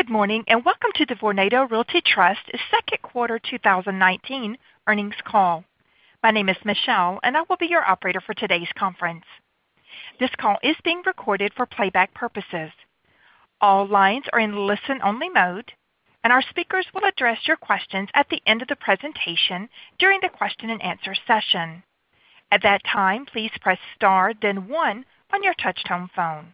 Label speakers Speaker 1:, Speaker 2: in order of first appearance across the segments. Speaker 1: Good morning, welcome to the Vornado Realty Trust second quarter 2019 earnings call. My name is Michelle, and I will be your operator for today's conference. This call is being recorded for playback purposes. All lines are in listen-only mode, and our speakers will address your questions at the end of the presentation during the question-and-answer session. At that time, please press star then one on your touchtone phone.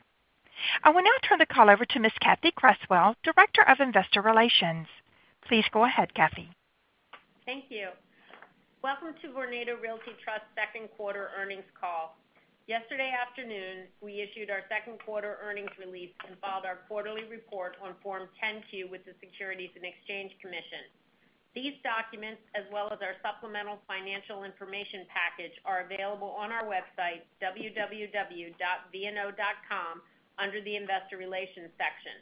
Speaker 1: I will now turn the call over to Ms. Cathy Creswell, Director of Investor Relations. Please go ahead, Cathy.
Speaker 2: Thank you. Welcome to Vornado Realty Trust second quarter earnings call. Yesterday afternoon, we issued our second quarter earnings release and filed our quarterly report on Form 10-Q with the Securities and Exchange Commission. These documents, as well as our supplemental financial information package, are available on our website, www.vno.com, under the investor relations section.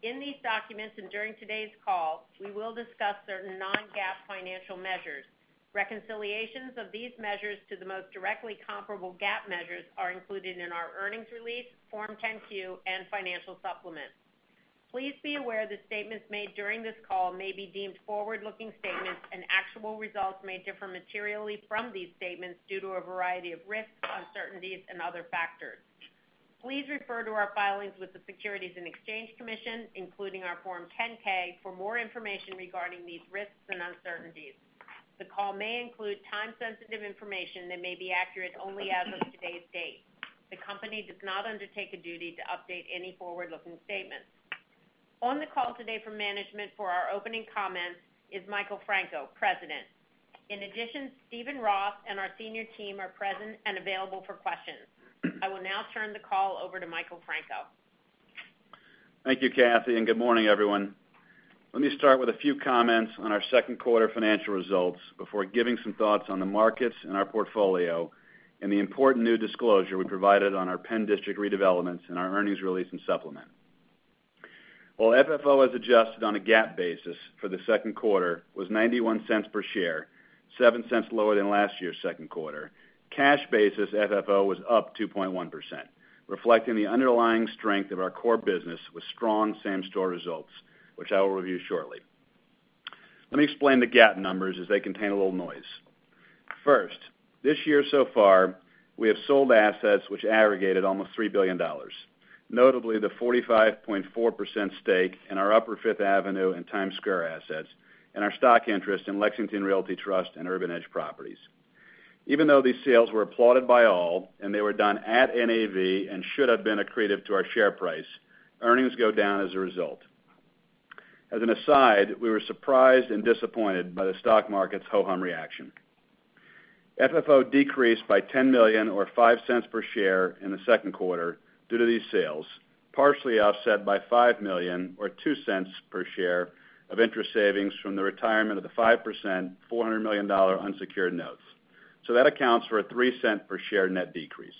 Speaker 2: In these documents and during today's call, we will discuss certain non-GAAP financial measures. Reconciliations of these measures to the most directly comparable GAAP measures are included in our earnings release, Form 10-Q, and financial supplement. Please be aware the statements made during this call may be deemed forward-looking statements, and actual results may differ materially from these statements due to a variety of risks, uncertainties, and other factors. Please refer to our filings with the Securities and Exchange Commission, including our Form 10-K, for more information regarding these risks and uncertainties. The call may include time-sensitive information that may be accurate only as of today's date. The company does not undertake a duty to update any forward-looking statements. On the call today from management for our opening comments is Michael Franco, President. In addition, Steven Roth and our senior team are present and available for questions. I will now turn the call over to Michael Franco.
Speaker 3: Thank you, Cathy, and good morning, everyone. Let me start with a few comments on our second quarter financial results before giving some thoughts on the markets and our portfolio and the important new disclosure we provided on our PENN DISTRICT redevelopments in our earnings release and supplement. While FFO as adjusted on a GAAP basis for the second quarter was $0.91 per share, $0.07 lower than last year's second quarter, cash basis FFO was up 2.1%, reflecting the underlying strength of our core business with strong same-store results, which I will review shortly. Let me explain the GAAP numbers as they contain a little noise. First, this year so far, we have sold assets which aggregated almost $3 billion. Notably, the 45.4% stake in our Upper Fifth Avenue and Times Square assets and our stock interest in Lexington Realty Trust and Urban Edge Properties. Even though these sales were applauded by all, and they were done at NAV and should have been accretive to our share price, earnings go down as a result. As an aside, we were surprised and disappointed by the stock market's ho-hum reaction. FFO decreased by $10 million or $0.05 per share in the second quarter due to these sales, partially offset by $5 million or $0.02 per share of interest savings from the retirement of the 5%, $400 million unsecured notes. That accounts for a $0.03 per share net decrease.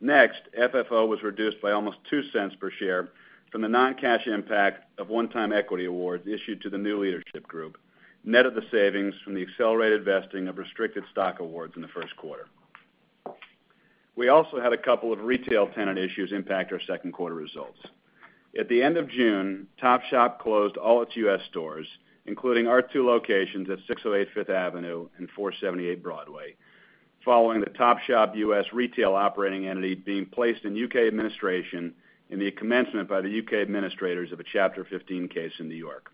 Speaker 3: Next, FFO was reduced by almost $0.02 per share from the non-cash impact of one-time equity awards issued to the new leadership group, net of the savings from the accelerated vesting of restricted stock awards in the first quarter. We also had a couple of retail tenant issues impact our second quarter results. At the end of June, Topshop closed all its U.S. stores, including our two locations at 608 Fifth Avenue and 478 Broadway, following the Topshop U.S. retail operating entity being placed in U.K. administration in the commencement by the U.K. administrators of a Chapter 15 case in New York.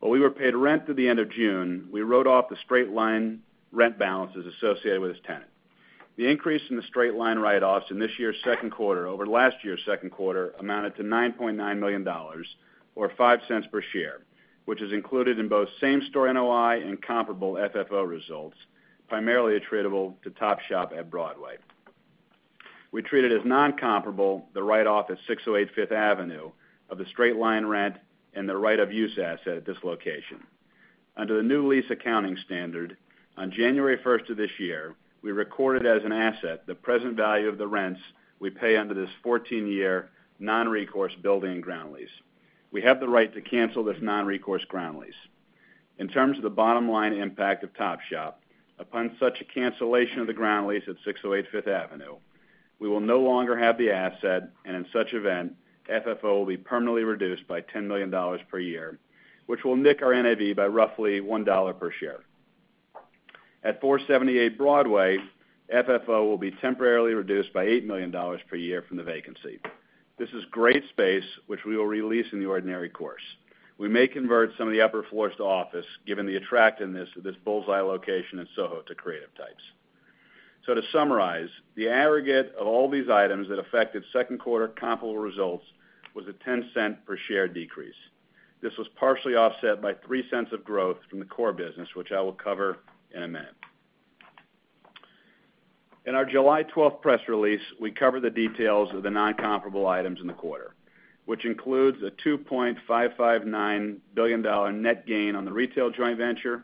Speaker 3: While we were paid rent through the end of June, we wrote off the straight-line rent balances associated with this tenant. The increase in the straight-line write-offs in this year's second quarter over last year's second quarter amounted to $9.9 million, or $0.05 per share, which is included in both same-store NOI and comparable FFO results, primarily attributable to Topshop at Broadway. We treated as non-comparable the write-off at 608 Fifth Avenue of the straight-line rent and the right of use asset at this location. Under the new lease accounting standard, on January 1st of this year, we recorded as an asset the present value of the rents we pay under this 14-year non-recourse building ground lease. We have the right to cancel this non-recourse ground lease. In terms of the bottom-line impact of Topshop, upon such a cancellation of the ground lease at 608 Fifth Avenue, we will no longer have the asset, and in such event, FFO will be permanently reduced by $10 million per year, which will nick our NAV by roughly $1 per share. At 478 Broadway, FFO will be temporarily reduced by $8 million per year from the vacancy. This is great space, which we will re-lease in the ordinary course. We may convert some of the upper floors to office, given the attractiveness of this bull's-eye location in SoHo to creative types. To summarize, the aggregate of all these items that affected second quarter comparable results was a $0.10 per share decrease. This was partially offset by $0.03 of growth from the core business, which I will cover in a minute. In our July 12th press release, we covered the details of the non-comparable items in the quarter, which includes a $2.559 billion net gain on the retail joint venture,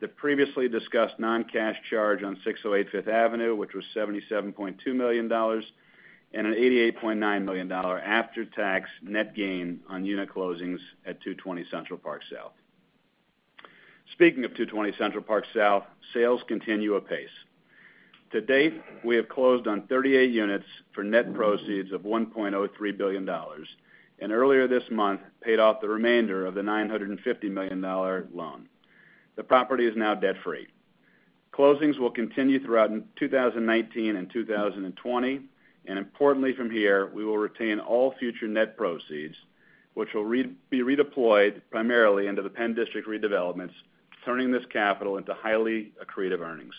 Speaker 3: the previously discussed non-cash charge on 608 Fifth Avenue, which was $77.2 million, and an $88.9 million after-tax net gain on unit closings at 220 Central Park South. Speaking of 220 Central Park South, sales continue apace. To date, we have closed on 38 units for net proceeds of $1.03 billion. Earlier this month, paid off the remainder of the $950 million loan. The property is now debt-free. Closings will continue throughout 2019 and 2020. Importantly from here, we will retain all future net proceeds, which will be redeployed primarily into the PENN DISTRICT redevelopments, turning this capital into highly accretive earnings.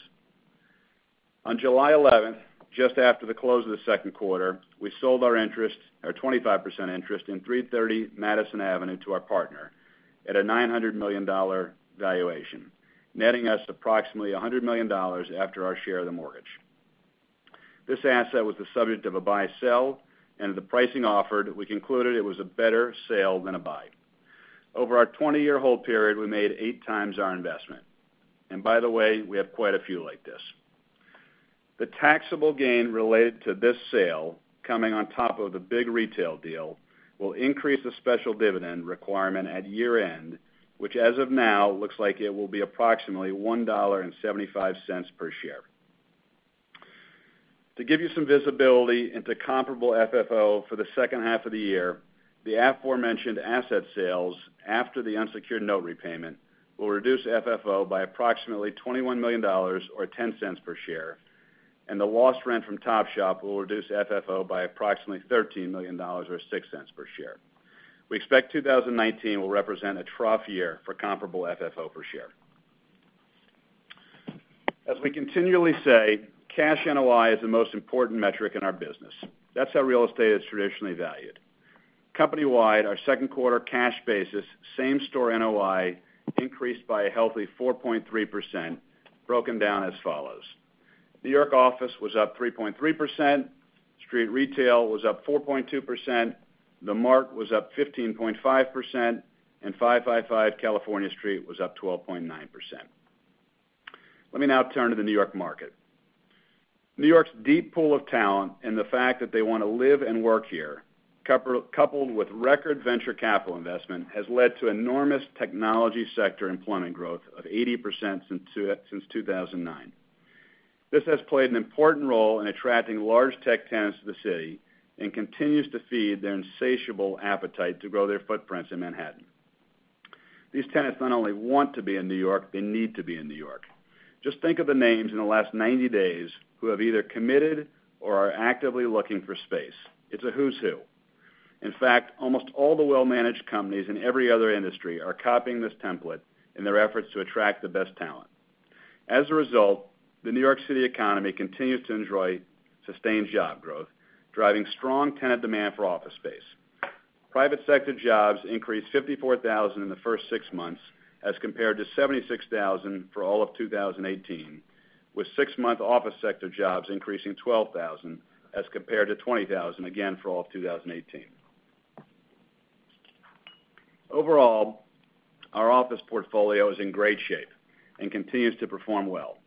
Speaker 3: On July 11th, just after the close of the second quarter, we sold our 25% interest in 330 Madison Avenue to our partner at a $900 million valuation, netting us approximately $100 million after our share of the mortgage. This asset was the subject of a buy-sell. With the pricing offered, we concluded it was a better sale than a buy. Over our 20-year hold period, we made eight times our investment. By the way, we have quite a few like this. The taxable gain related to this sale, coming on top of the Big Retail deal, will increase the special dividend requirement at year-end, which as of now, looks like it will be approximately $1.75 per share. To give you some visibility into comparable FFO for the second half of the year, the aforementioned asset sales after the unsecured note repayment will reduce FFO by approximately $21 million, or $0.10 per share, and the lost rent from Topshop will reduce FFO by approximately $13 million, or $0.06 per share. We expect 2019 will represent a trough year for comparable FFO per share. As we continually say, cash NOI is the most important metric in our business. That's how real estate is traditionally valued. Company-wide, our second quarter cash basis same store NOI increased by a healthy 4.3%, broken down as follows. New York office was up 3.3%, Street Retail was up 4.2%, THE MART was up 15.5%, 555 California Street was up 12.9%. Let me now turn to the New York market. New York's deep pool of talent and the fact that they want to live and work here, coupled with record venture capital investment, has led to enormous technology sector employment growth of 80% since 2009. This has played an important role in attracting large tech tenants to the city and continues to feed their insatiable appetite to grow their footprints in Manhattan. These tenants not only want to be in New York, they need to be in New York. Just think of the names in the last 90 days who have either committed or are actively looking for space. It's a who's who. In fact, almost all the well-managed companies in every other industry are copying this template in their efforts to attract the best talent. As a result, the New York City economy continues to enjoy sustained job growth, driving strong tenant demand for office space. Private sector jobs increased 54,000 in the first six months as compared to 76,000 for all of 2018, with six-month office sector jobs increasing 12,000 as compared to 20,000, again, for all of 2018. Overall, our office portfolio is in great shape and continues to perform well.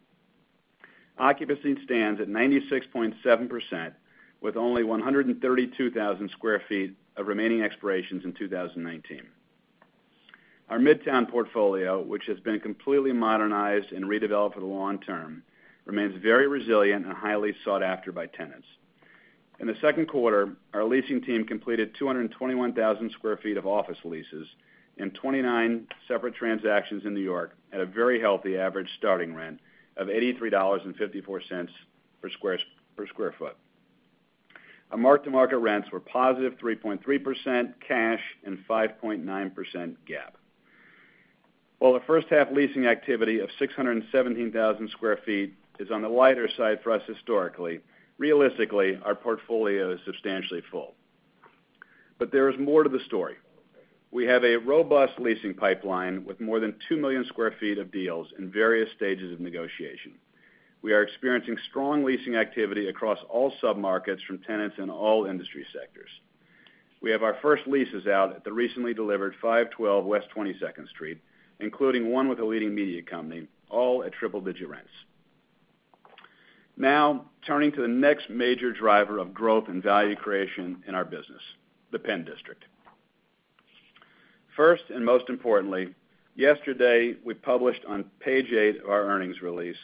Speaker 3: Occupancy stands at 96.7%, with only 132,000 sq ft of remaining expirations in 2019. Our Midtown portfolio, which has been completely modernized and redeveloped for the long term, remains very resilient and highly sought after by tenants. In the second quarter, our leasing team completed 221,000 sq ft of office leases in 29 separate transactions in New York at a very healthy average starting rent of $83.54 per sq ft. Our mark-to-market rents were positive 3.3% cash and 5.9% GAAP. The first half leasing activity of 617,000 sq ft is on the lighter side for us historically, realistically, our portfolio is substantially full. There is more to the story. We have a robust leasing pipeline with more than 2,000,000 sq ft of deals in various stages of negotiation. We are experiencing strong leasing activity across all submarkets from tenants in all industry sectors. We have our first leases out at the recently delivered 512 West 22nd Street, including one with a leading media company, all at triple-digit rents. Now, turning to the next major driver of growth and value creation in our business, the PENN DISTRICT. First and most importantly, yesterday, we published on page eight of our earnings release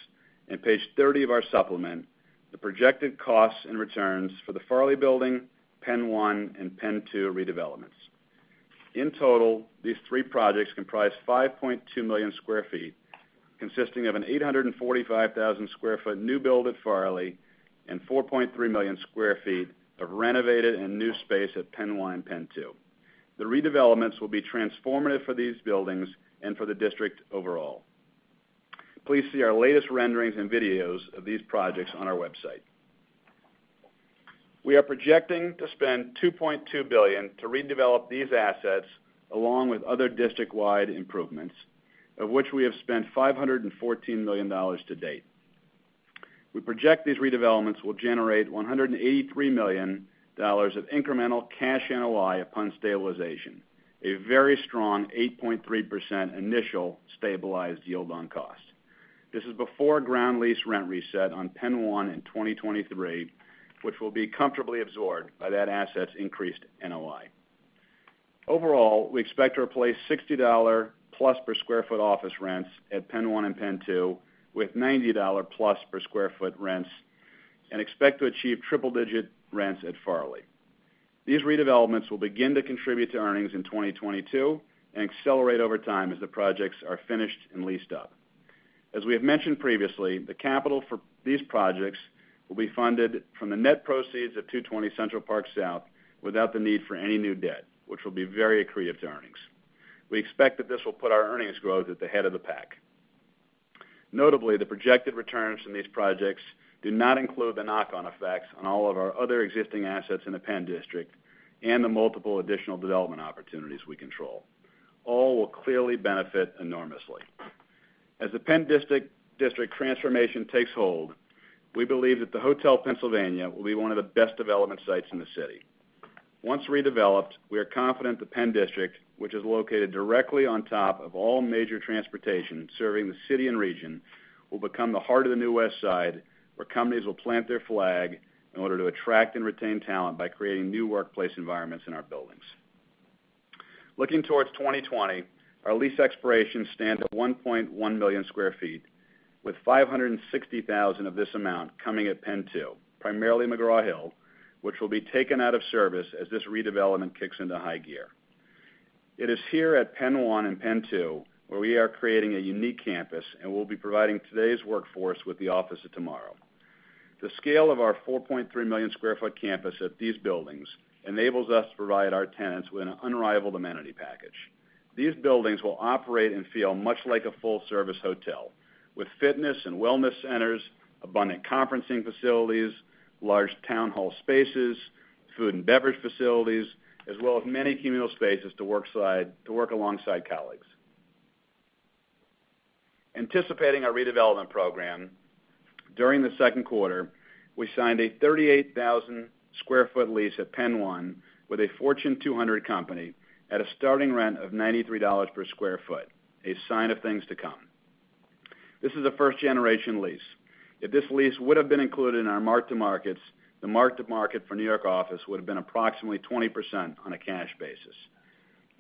Speaker 3: and page 30 of our supplement, the projected costs and returns for the Farley Building, PENN 1, and PENN 2 redevelopments. In total, these three projects comprise 5.2 million sq ft, consisting of an 845,000 sq ft new build at Farley and 4.3 million sq ft of renovated and new space at PENN 1 and PENN 2. The redevelopments will be transformative for these buildings and for the district overall. Please see our latest renderings and videos of these projects on our website. We are projecting to spend $2.2 billion to redevelop these assets along with other district-wide improvements, of which we have spent $514 million to date. We project these redevelopments will generate $183 million of incremental cash NOI upon stabilization, a very strong 8.3% initial stabilized yield on cost. This is before ground lease rent reset on PENN 1 in 2023, which will be comfortably absorbed by that asset's increased NOI. Overall, we expect to replace $60 plus per sq ft office rents at PENN 1 and PENN 2 with $90 plus per sq ft rents, and expect to achieve triple-digit rents at Farley. These redevelopments will begin to contribute to earnings in 2022 and accelerate over time as the projects are finished and leased up. As we have mentioned previously, the capital for these projects will be funded from the net proceeds of 220 Central Park South without the need for any new debt, which will be very accretive to earnings. We expect that this will put our earnings growth at the head of the pack. Notably, the projected returns from these projects do not include the knock-on effects on all of our other existing assets in the PENN DISTRICT and the multiple additional development opportunities we control. All will clearly benefit enormously. As the PENN DISTRICT transformation takes hold, we believe that the Hotel PENNsylvania will be one of the best development sites in the city. Once redeveloped, we are confident the PENN DISTRICT, which is located directly on top of all major transportation serving the city and region, will become the heart of the New West Side, where companies will plant their flag in order to attract and retain talent by creating new workplace environments in our buildings. Looking towards 2020, our lease expirations stand at 1.1 million sq ft, with 560,000 of this amount coming at PENN 2, primarily McGraw Hill, which will be taken out of service as this redevelopment kicks into high gear. It is here at PENN 1 and PENN 2 where we are creating a unique campus. We'll be providing today's workforce with the office of tomorrow. The scale of our 4.3 million sq ft campus at these buildings enables us to provide our tenants with an unrivaled amenity package. These buildings will operate and feel much like a full-service hotel, with fitness and wellness centers, abundant conferencing facilities, large town hall spaces, food and beverage facilities, as well as many communal spaces to work alongside colleagues. Anticipating our redevelopment program, during the second quarter, we signed a 38,000 sq ft lease at PENN 1 with a Fortune 200 company at a starting rent of $93 per sq ft, a sign of things to come. This is a first-generation lease. If this lease would have been included in our mark-to-markets, the mark-to-market for New York office would have been approximately 20% on a cash basis.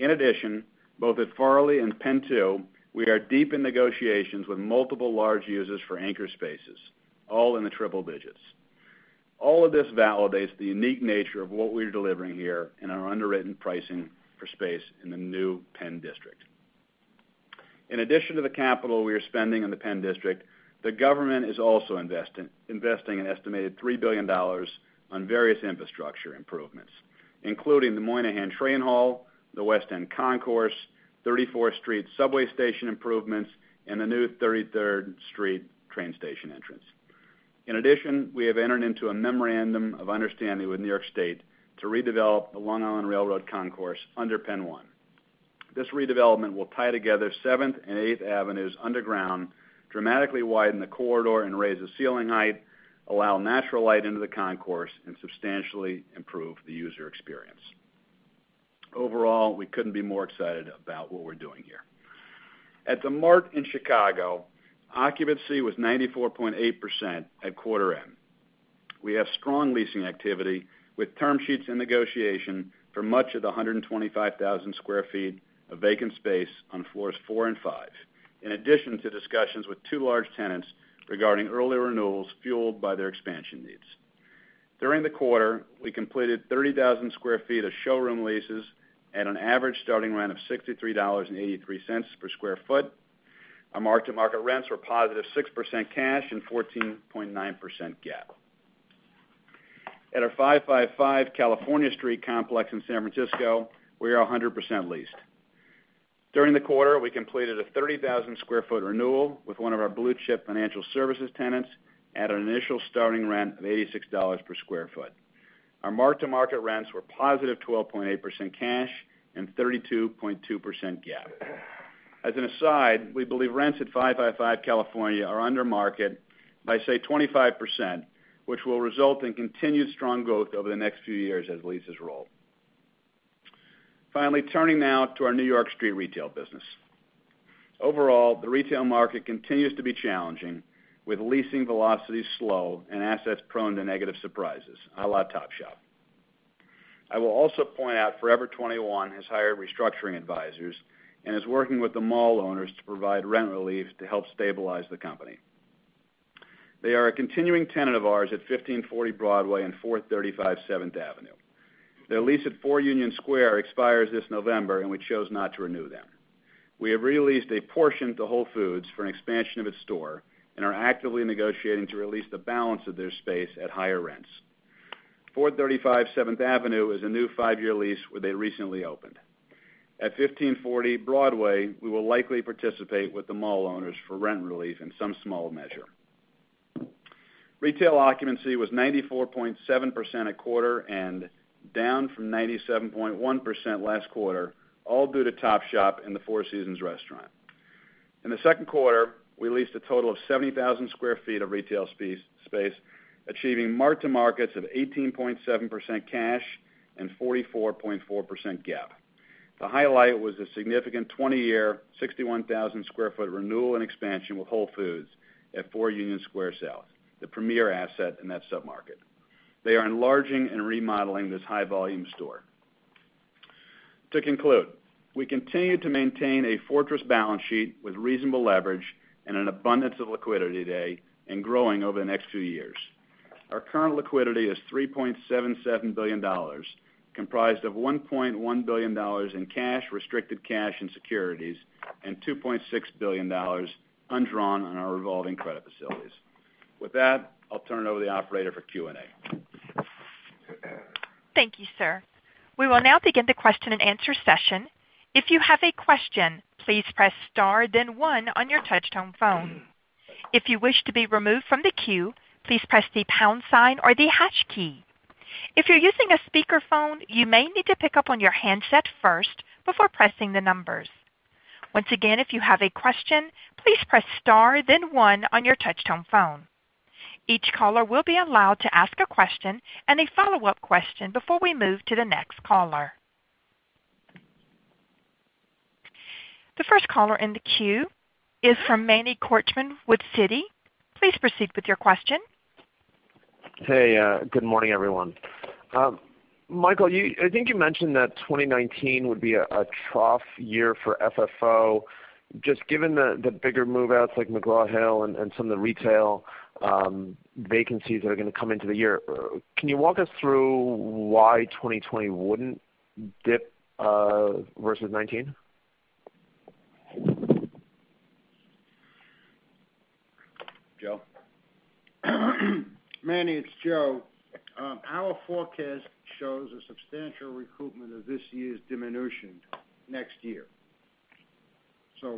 Speaker 3: In addition, both at Farley and PENN 2, we are deep in negotiations with multiple large users for anchor spaces, all in the triple digits. All of this validates the unique nature of what we're delivering here in our underwritten pricing for space in the new PENN DISTRICT. In addition to the capital we are spending on the PENN DISTRICT, the government is also investing an estimated $3 billion on various infrastructure improvements, including the Moynihan Train Hall, the West End Concourse, 34th Street subway station improvements, and the new 33rd Street train station entrance. In addition, we have entered into a memorandum of understanding with New York State to redevelop the Long Island Railroad Concourse under PENN 1. This redevelopment will tie together 7th and 8th avenues underground, dramatically widen the corridor and raise the ceiling height, allow natural light into the concourse, and substantially improve the user experience. Overall, we couldn't be more excited about what we're doing here. At THE MART in Chicago, occupancy was 94.8% at quarter end. We have strong leasing activity with term sheets and negotiation for much of the 125,000 sq ft of vacant space on floors four and five, in addition to discussions with two large tenants regarding early renewals fueled by their expansion needs. During the quarter, we completed 30,000 sq ft of showroom leases at an average starting rent of $63.83 per sq ft. Our mark-to-market rents were positive 6% cash and 14.9% GAAP. At our 555 California Street complex in San Francisco, we are 100% leased. During the quarter, we completed a 30,000 sq ft renewal with one of our blue-chip financial services tenants at an initial starting rent of $86 per sq ft. Our mark-to-market rents were positive 12.8% cash and 32.2% GAAP. As an aside, we believe rents at 555 California are under market by, say, 25%, which will result in continued strong growth over the next few years as leases roll. Finally, turning now to our New York Street Retail business. Overall, the retail market continues to be challenging, with leasing velocity slow and assets prone to negative surprises, a la Topshop. I will also point out Forever 21 has hired restructuring advisors and is working with the mall owners to provide rent relief to help stabilize the company. They are a continuing tenant of ours at 1540 Broadway and 435 Seventh Avenue. Their lease at 4 Union Square expires this November, and we chose not to renew them. We have re-leased a portion to Whole Foods for an expansion of its store and are actively negotiating to re-lease the balance of their space at higher rents. 435 7th Avenue is a new five-year lease where they recently opened. At 1540 Broadway, we will likely participate with the mall owners for rent relief in some small measure. Retail occupancy was 94.7% at quarter end, down from 97.1% last quarter, all due to Topshop and the Four Seasons restaurant. In the second quarter, we leased a total of 70,000 sq ft of retail space, achieving mark-to-markets of 18.7% cash and 44.4% GAAP. The highlight was a significant 20-year, 61,000 sq ft renewal and expansion with Whole Foods at 4 Union Square South, the premier asset in that sub-market. They are enlarging and remodeling this high-volume store. To conclude, we continue to maintain a fortress balance sheet with reasonable leverage and an abundance of liquidity today and growing over the next few years. Our current liquidity is $3.77 billion, comprised of $1.1 billion in cash, restricted cash, and securities, and $2.6 billion undrawn on our revolving credit facilities. With that, I'll turn it over to the operator for Q&A.
Speaker 1: Thank you, sir. We will now begin the question and answer session. If you have a question, please press star then one on your touch-tone phone. If you wish to be removed from the queue, please press the pound sign or the hash key. If you're using a speakerphone, you may need to pick up on your handset first before pressing the numbers. Once again, if you have a question, please press star then one on your touch-tone phone. Each caller will be allowed to ask a question and a follow-up question before we move to the next caller. The first caller in the queue is from Manny Korchman with Citi. Please proceed with your question.
Speaker 4: Hey, good morning, everyone. Michael, I think you mentioned that 2019 would be a trough year for FFO. Just given the bigger move-outs like McGraw Hill and some of the retail vacancies that are going to come into the year, can you walk us through why 2020 wouldn't dip versus 2019?
Speaker 3: Joe?
Speaker 5: Manny, it's Joe. Our forecast shows a substantial recoupment of this year's diminution next year.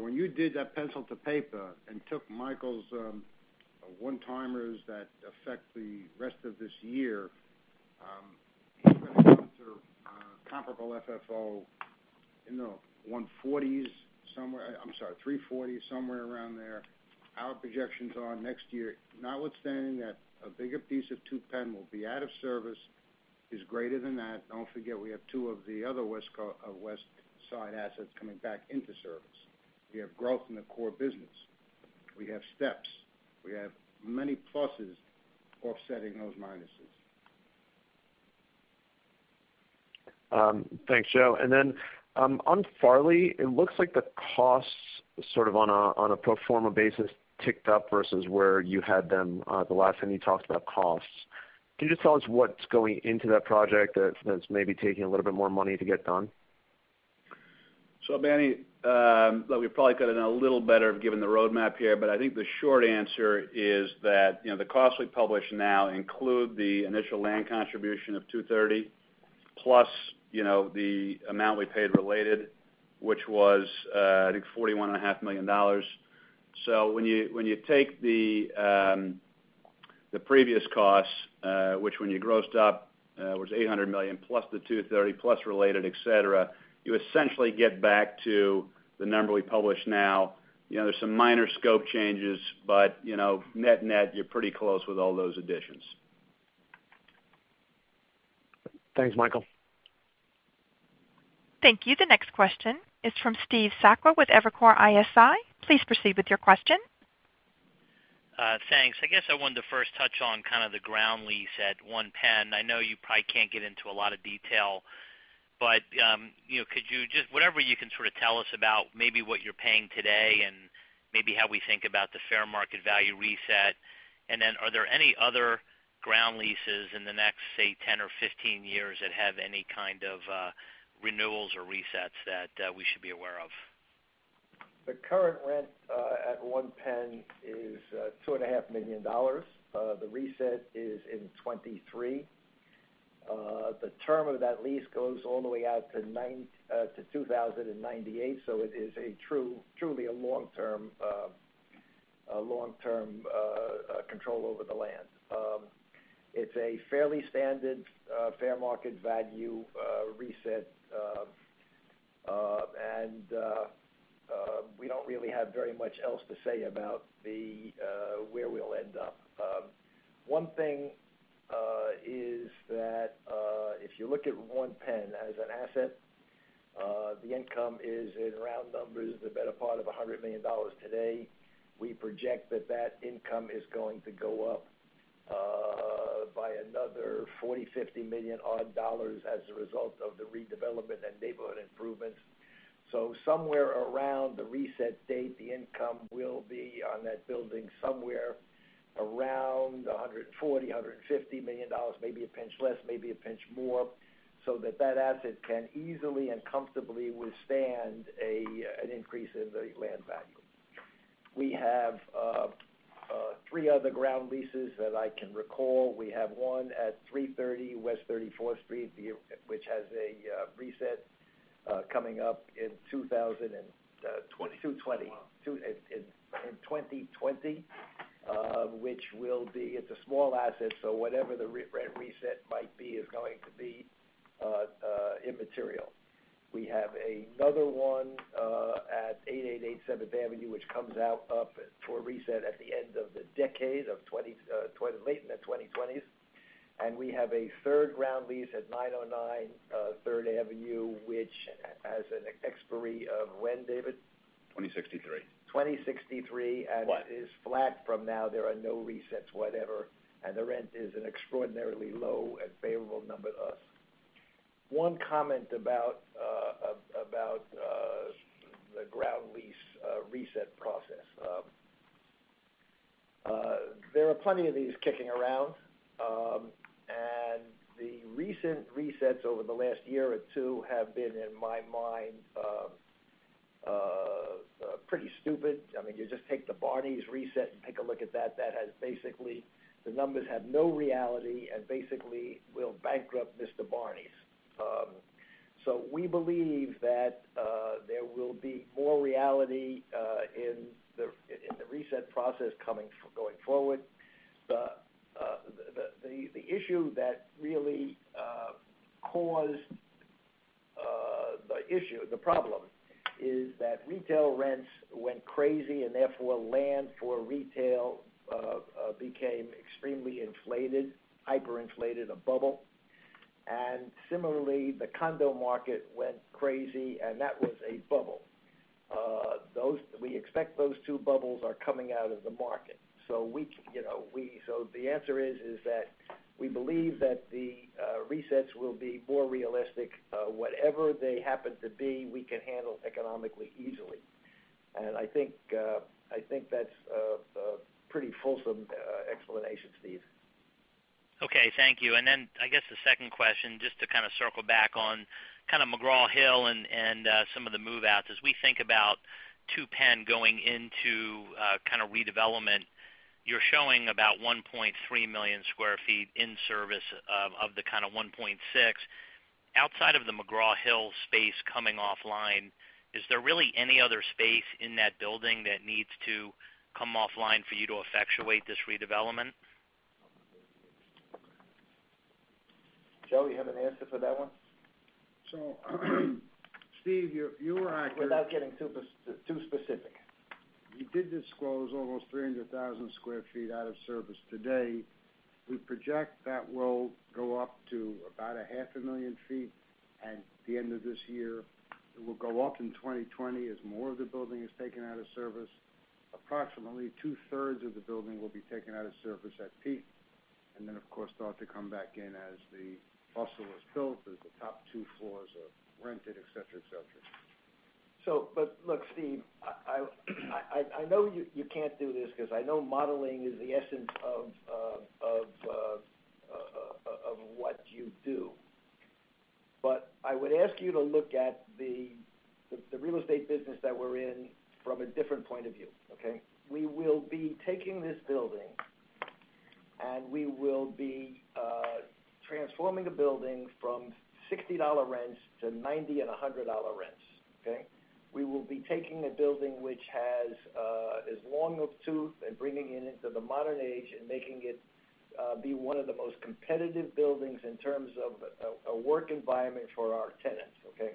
Speaker 5: When you did that pencil to paper and took Michael's one-timers that affect the rest of this year, he's going to come to comparable FFO in the 140s somewhere, I'm sorry, 340, somewhere around there. Our projections are next year, notwithstanding that a bigger piece of 2 PENN will be out of service, is greater than that. Don't forget, we have two of the other West Side assets coming back into service. We have growth in the core business. We have steps. We have many pluses offsetting those minuses.
Speaker 4: Thanks, Joe. Then on Farley, it looks like the costs sort of on a pro forma basis ticked up versus where you had them the last time you talked about costs. Can you just tell us what's going into that project that's maybe taking a little bit more money to get done?
Speaker 3: Manny, look, we probably could've done a little better given the roadmap here, but I think the short answer is that the costs we publish now include the initial land contribution of $230, plus the amount we paid related, which was, I think, $41.5 million. When you take the previous costs, which when you grossed up, was $800 million plus the $230 plus related, et cetera, you essentially get back to the number we publish now. There's some minor scope changes, but net-net, you're pretty close with all those additions.
Speaker 4: Thanks, Michael.
Speaker 1: Thank you. The next question is from Steve Sakwa with Evercore ISI. Please proceed with your question.
Speaker 6: Thanks. I guess I wanted to first touch on kind of the ground lease at 1 PENN. I know you probably can't get into a lot of detail, whatever you can sort of tell us about maybe what you're paying today and maybe how we think about the fair market value reset. Are there any other ground leases in the next, say, 10 or 15 years that have any kind of renewals or resets that we should be aware of?
Speaker 5: The current rent at 1 PENN is $2.5 million. The reset is in 2023. The term of that lease goes all the way out to 2098. It is truly a long-term control over the land. It's a fairly standard fair market value reset. We don't really have very much else to say about where we'll end up. One thing is that if you look at 1 PENN as an asset, the income is, in round numbers, the better part of $100 million today. We project that that income is going to go up by another 40 million, 50 million-odd dollars as a result of the redevelopment and neighborhood improvements. Somewhere around the reset date, the income will be on that building somewhere around $140 million, $150 million, maybe a pinch less, maybe a pinch more, so that that asset can easily and comfortably withstand an increase in the land value. We have three other ground leases that I can recall. We have one at 330 West 34th Street, which has a reset coming up in 2020, 2020. In 2020, which it's a small asset, so whatever the rent reset might be is going to be immaterial. We have another one at 888 Seventh Avenue, which comes up for reset at the end of the decade, late in the 2020s. We have a third ground lease at 909 3rd Avenue, which has an expiry of when, David?
Speaker 7: 2063.
Speaker 5: 2063.
Speaker 7: Flat.
Speaker 5: It is flat from now. There are no resets whatever, and the rent is an extraordinarily low and favorable number to us. One comment about the ground lease reset process. There are plenty of these kicking around. The recent resets over the last year or two have been, in my mind, pretty stupid. You just take the Barneys reset and take a look at that. The numbers have no reality and basically will bankrupt Mr. Barneys. We believe that there will be more reality in the reset process going forward. The problem is that retail rents went crazy, and therefore land for retail became extremely inflated, hyper-inflated, a bubble. Similarly, the condo market went crazy, and that was a bubble. We expect those two bubbles are coming out of the market. The answer is that we believe that the resets will be more realistic. Whatever they happen to be, we can handle economically easily. I think that's a pretty fulsome explanation, Steve.
Speaker 6: Okay, thank you. I guess the second question, just to kind of circle back on McGraw Hill and some of the move-outs. As we think about 2 PENN going into redevelopment, you're showing about 1.3 million sq ft in service of the 1.6. Outside of the McGraw Hill space coming offline, is there really any other space in that building that needs to come offline for you to effectuate this redevelopment?
Speaker 5: Joe, you have an answer for that one? Steve, you are.
Speaker 3: Without getting too specific. We did disclose almost 300,000 sq ft out of service today. We project that will go up to about a half a million sq ft at the end of this year. It will go up in 2020 as more of the building is taken out of service. Approximately two-thirds of the building will be taken out of service at peak, and then of course start to come back in as the shell is built, as the top two floors are rented, et cetera.
Speaker 5: Look, Steve, I know you can't do this because I know modeling is the essence of what you do. I would ask you to look at the real estate business that we're in from a different point of view, okay? We will be taking this building, and we will be transforming the building from $60 rents to $90 and $100 rents, okay? We will be taking a building which has as long of tooth and bringing it into the modern age and making it be one of the most competitive buildings in terms of a work environment for our tenants, okay?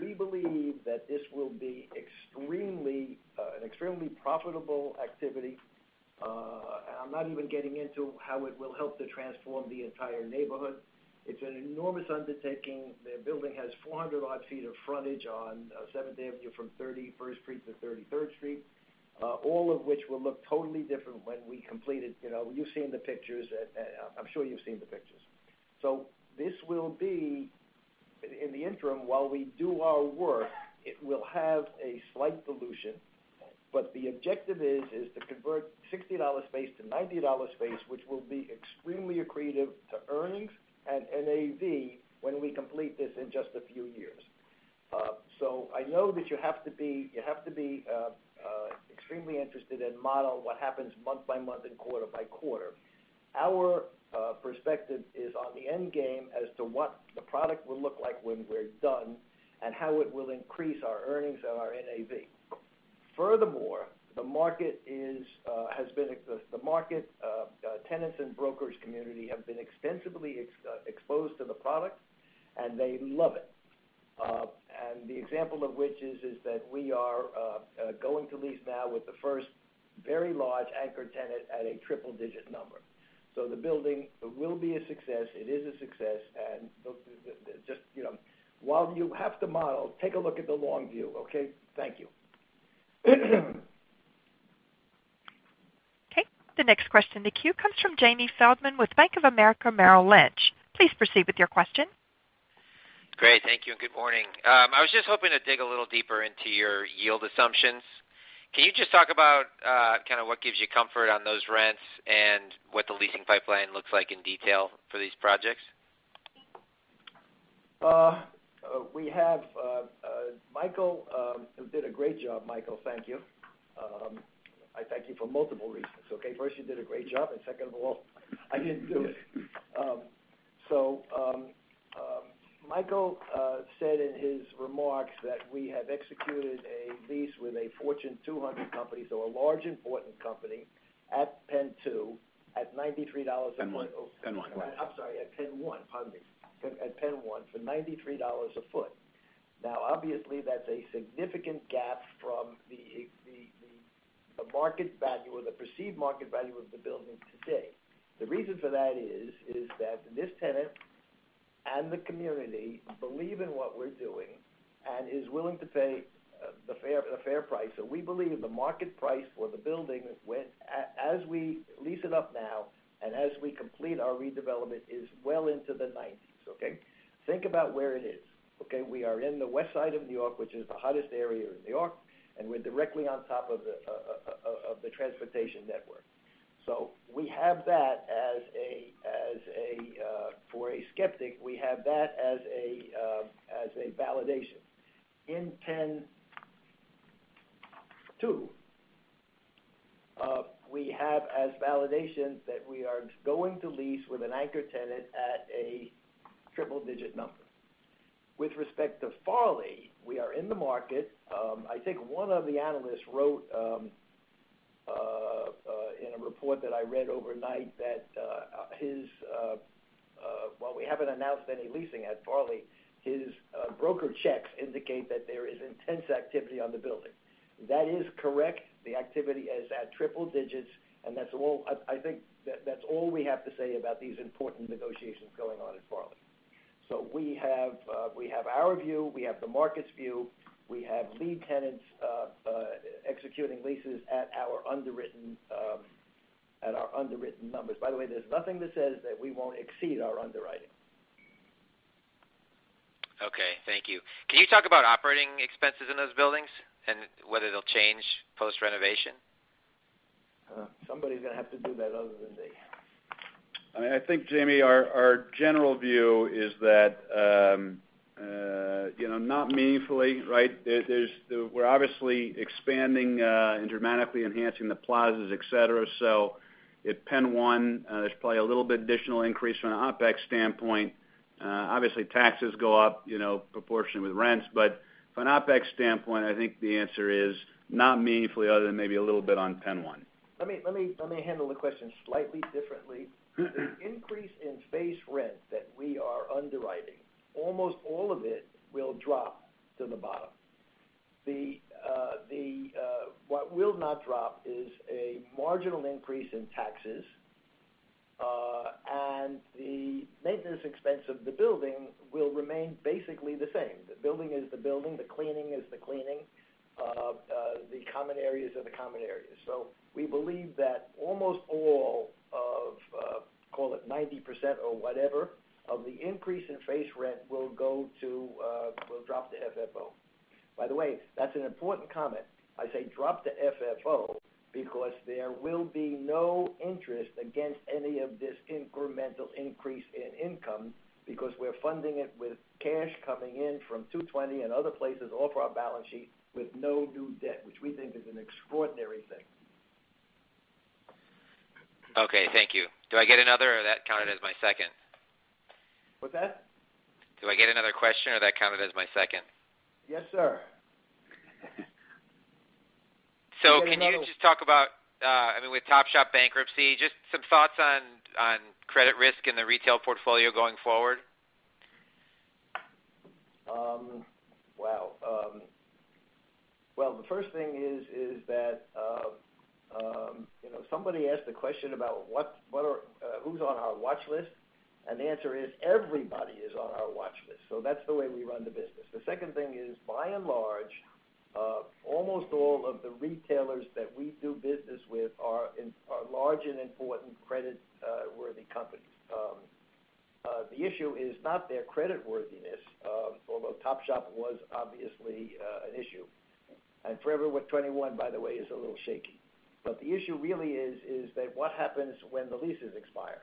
Speaker 5: We believe that this will be an extremely profitable activity. I'm not even getting into how it will help to transform the entire neighborhood. It's an enormous undertaking.
Speaker 8: The building has 400 odd feet of frontage on 7th Avenue from 31st Street to 33rd Street, all of which will look totally different when we complete it. You've seen the pictures. I'm sure you've seen the pictures. This will be, in the interim, while we do our work, it will have a slight pollution. The objective is to convert $60 space to $90 space, which will be extremely accretive to earnings and NAV when we complete this in just a few years. I know that you have to be extremely interested and model what happens month by month and quarter by quarter. Our perspective is on the end game as to what the product will look like when we're done and how it will increase our earnings and our NAV. Furthermore, the market tenants and brokers community have been extensively exposed to the product, and they love it. The example of which is that we are going to lease now with the first very large anchor tenant at a triple digit number. The building will be a success. It is a success, and while you have to model, take a look at the long view, okay? Thank you.
Speaker 1: Okay, the next question in the queue comes from Jamie Feldman with Bank of America Merrill Lynch. Please proceed with your question.
Speaker 9: Great. Thank you. Good morning. I was just hoping to dig a little deeper into your yield assumptions. Can you just talk about what gives you comfort on those rents and what the leasing pipeline looks like in detail for these projects?
Speaker 5: Michael, who did a great job, Michael, thank you. I thank you for multiple reasons. Okay. First, you did a great job, and second of all, I didn't do it. Michael said in his remarks that we have executed a lease with a Fortune 200 company, so a large important company at PENN 2 at $93 a foot.
Speaker 7: PENN 1.
Speaker 5: I'm sorry, at PENN 1. Pardon me. At PENN 1 for $93 a foot. Obviously, that's a significant gap from the market value or the perceived market value of the building today. The reason for that is that this tenant and the community believe in what we're doing and is willing to pay a fair price. We believe the market price for the building as we lease it up now and as we complete our redevelopment, is well into the 90s. Okay? Think about where it is. Okay? We are in the West Side of New York, which is the hottest area in New York, and we're directly on top of the transportation network. For a skeptic, we have that as a validation. In PENN 2, we have as validation that we are going to lease with an anchor tenant at a triple-digit number. With respect to Farley, we are in the market. I think one of the analysts wrote, in a report that I read overnight, that while we haven't announced any leasing at Farley, his broker checks indicate that there is intense activity on the building. That is correct. The activity is at triple digits, and I think that's all we have to say about these important negotiations going on at Farley. We have our view. We have the market's view. We have lead tenants executing leases at our underwritten numbers. By the way, there's nothing that says that we won't exceed our underwriting.
Speaker 9: Okay, thank you. Can you talk about operating expenses in those buildings and whether they'll change post-renovation?
Speaker 5: Somebody's going to have to do that other than me.
Speaker 3: I think, Jamie, our general view is that, not meaningfully, right? We're obviously expanding and dramatically enhancing the plazas, et cetera. At PENN 1, there's probably a little bit additional increase from an OpEx standpoint. Obviously, taxes go up proportion with rents. From an OpEx standpoint, I think the answer is not meaningfully other than maybe a little bit on PENN 1.
Speaker 8: Let me handle the question slightly differently. The increase in base rent that we are underwriting, almost all of it will drop to the bottom. What will not drop is a marginal increase in taxes. The maintenance expense of the building will remain basically the same. The building is the building, the cleaning is the cleaning, the common areas are the common areas. We believe that almost all of, call it 90% or whatever, of the increase in base rent will drop to FFO. By the way, that's an important comment. I say drop to FFO because there will be no interest against any of this incremental increase in income, because we're funding it with cash coming in from 220 and other places off our balance sheet with no new debt, which we think is an extraordinary thing.
Speaker 9: Okay, thank you. Do I get another, or that counted as my second?
Speaker 5: What's that?
Speaker 9: Do I get another question, or that counted as my second?
Speaker 5: Yes, sir.
Speaker 9: Can you just talk about, with Topshop bankruptcy, just some thoughts on credit risk in the retail portfolio going forward?
Speaker 7: Wow. The first thing is that, somebody asked the question about who's on our watchlist, and the answer is everybody is on our watchlist. That's the way we run the business. The second thing is, by and large, almost all of the retailers that we do business with are large and important creditworthy companies. The issue is not their creditworthiness, although Topshop was obviously an issue. Forever 21, by the way, is a little shaky. The issue really is that what happens when the leases expire?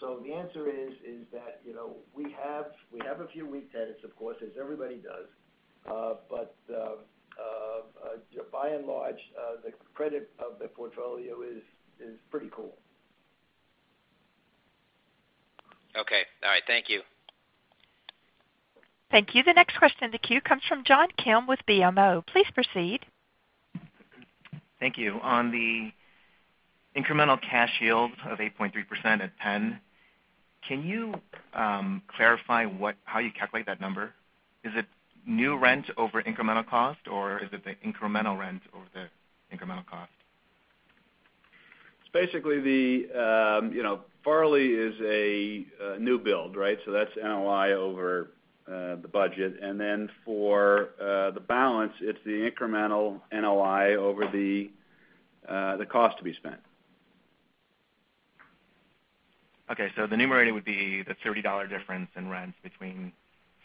Speaker 7: The answer is that, we have a few weak tenants, of course, as everybody does. By and large, the credit of the portfolio is pretty cool.
Speaker 9: Okay. All right. Thank you.
Speaker 1: Thank you. The next question in the queue comes from John Kim with BMO. Please proceed.
Speaker 10: Thank you. On the incremental cash yield of 8.3% at PENN, can you clarify how you calculate that number? Is it new rent over incremental cost, or is it the incremental rent over the incremental cost?
Speaker 3: It's basically the Farley is a new build, right? That's NOI over the budget. For the balance, it's the incremental NOI over the cost to be spent.
Speaker 10: Okay, the numerator would be the $30 difference in rents between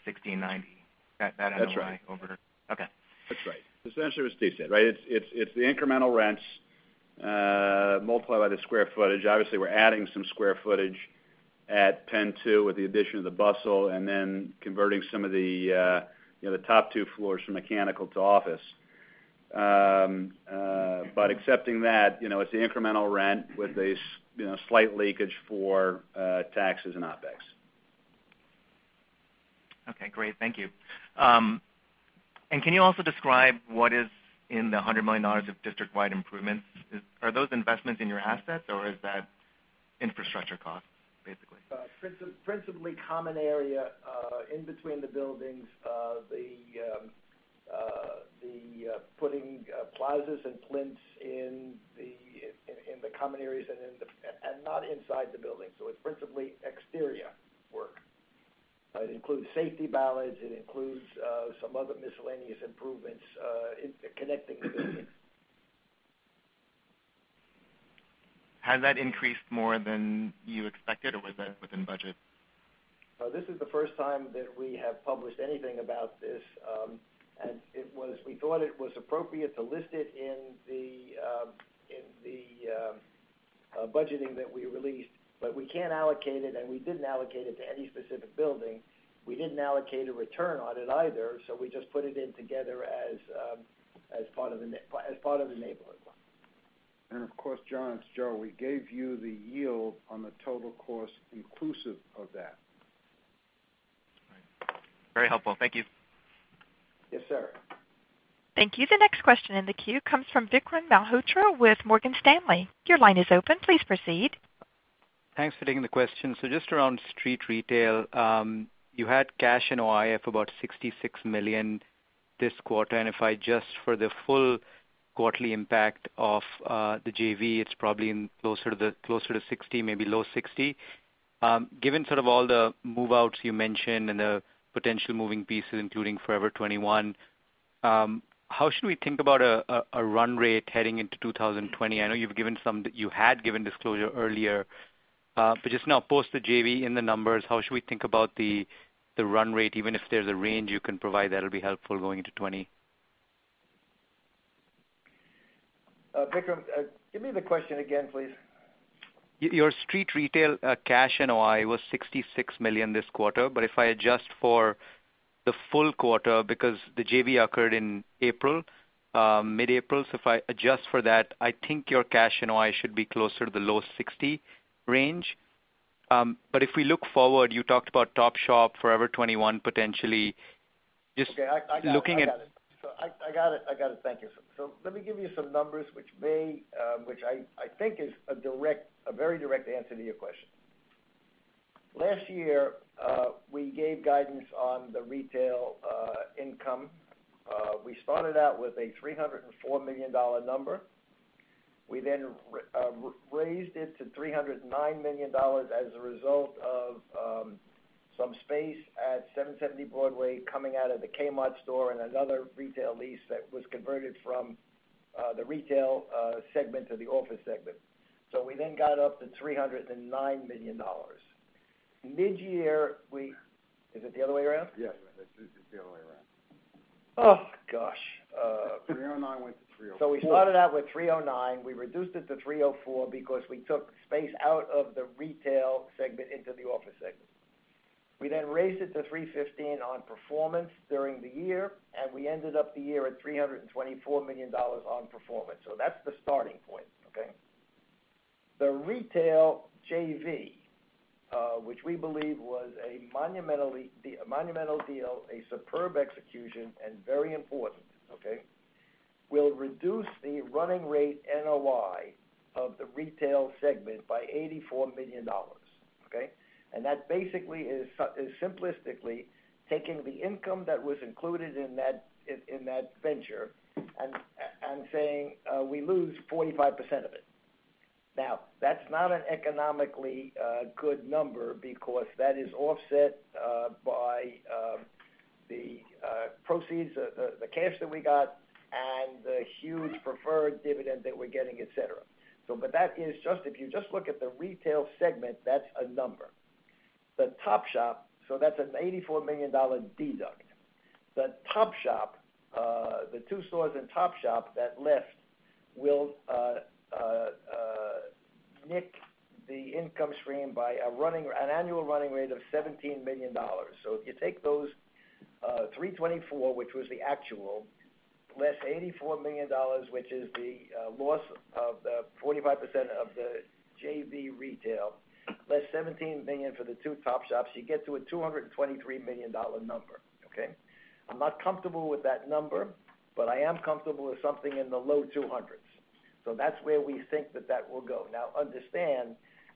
Speaker 10: $60 and $90.
Speaker 3: That's right.
Speaker 10: That NOI over, okay.
Speaker 3: That's right. Essentially what Steve said, right? It's the incremental rents multiplied by the square footage. Obviously, we're adding some square footage at PENN 2 with the addition of the bustle and then converting some of the top two floors from mechanical to office. Excepting that, it's the incremental rent with a slight leakage for taxes and OpEx.
Speaker 10: Okay, great. Thank you. Can you also describe what is in the $100 million of district-wide improvements? Are those investments in your assets, or Infrastructure costs, basically?
Speaker 8: Principally common area, in between the buildings, the putting plazas and plinths in the common areas and not inside the building. It's principally exterior work. It includes safety bollards. It includes some other miscellaneous improvements, connecting the buildings.
Speaker 10: Has that increased more than you expected, or was that within budget?
Speaker 8: This is the first time that we have published anything about this. We thought it was appropriate to list it in the budgeting that we released, but we can't allocate it, and we didn't allocate it to any specific building. We didn't allocate a return on it either. We just put it in together as part of the neighborhood plan.
Speaker 5: Of course, John, it's Joe. We gave you the yield on the total cost inclusive of that.
Speaker 10: Right. Very helpful. Thank you.
Speaker 8: Yes, sir.
Speaker 1: Thank you. The next question in the queue comes from Vikram Malhotra with Morgan Stanley. Your line is open. Please proceed.
Speaker 11: Thanks for taking the question. Just around Street Retail. You had cash NOI of about $66 million this quarter. If I adjust for the full quarterly impact of the JV, it's probably closer to $60, maybe low $60. Given sort of all the move-outs you mentioned and the potential moving pieces, including Forever 21, how should we think about a run rate heading into 2020? I know you had given disclosure earlier. Just now post the JV in the numbers, how should we think about the run rate? Even if there's a range you can provide, that will be helpful going into 2020.
Speaker 8: Vikram, give me the question again, please.
Speaker 11: Your street retail cash NOI was $66 million this quarter, if I adjust for the full quarter, because the JV occurred in mid-April. If I adjust for that, I think your cash NOI should be closer to the low $60 range. If we look forward, you talked about Topshop, Forever 21 potentially.
Speaker 8: Okay, I got it. I got it. Thank you, sir. Let me give you some numbers, which I think is a very direct answer to your question. Last year, we gave guidance on the retail income. We started out with a $304 million number. We raised it to $309 million as a result of some space at 770 Broadway coming out of the Kmart store and another retail lease that was converted from the retail segment to the office segment. We got up to $309 million. Is it the other way around?
Speaker 5: Yes, it's the other way around.
Speaker 8: Oh, gosh.
Speaker 5: $309 went to $304.
Speaker 8: We started out with $309. We reduced it to $304 because we took space out of the retail segment into the office segment. We raised it to $315 on performance during the year, and we ended up the year at $324 million on performance. That's the starting point. The retail JV, which we believe was a monumental deal, a superb execution, and very important, will reduce the running rate NOI of the retail segment by $84 million. That basically is simplistically taking the income that was included in that venture and saying we lose 45% of it. That's not an economically good number because that is offset by the proceeds, the cash that we got, and the huge preferred dividend that we're getting, et cetera. If you just look at the retail segment, that's a number. That's an $84 million deduct. The two stores in Topshop that left will nick the income stream by an annual running rate of $17 million. If you take those $324 million, which was the actual, less $84 million, which is the loss of the 45% of the JV retail, less $17 million for the two Topshops, you get to a $223 million number, okay. I'm not comfortable with that number, I am comfortable with something in the low 200s. That's where we think that that will go. Now understand,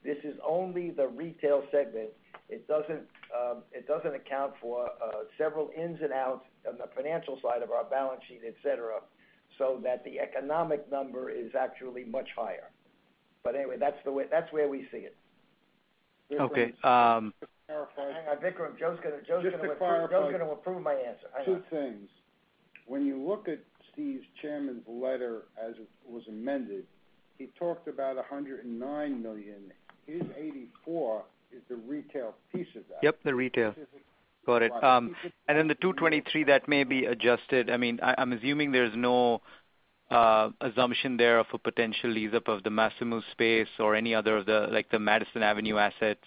Speaker 8: this is only the retail segment. It doesn't account for several ins and outs on the financial side of our balance sheet, et cetera, so that the economic number is actually much higher. Anyway, that's where we see it.
Speaker 11: Okay.
Speaker 8: Hang on, Vikram. Joe's going to-
Speaker 5: Just to clarify.
Speaker 8: Joe's going to approve my answer. Hang on.
Speaker 5: Two things. When you look at Steve's Chairman's letter as it was amended, he talked about $109 million. His $84 is the retail piece of that.
Speaker 11: Yep, the retail. Got it. The $223, that may be adjusted. I'm assuming there's no assumption there for potential lease up of the Massimo space or any other of the Madison Avenue assets.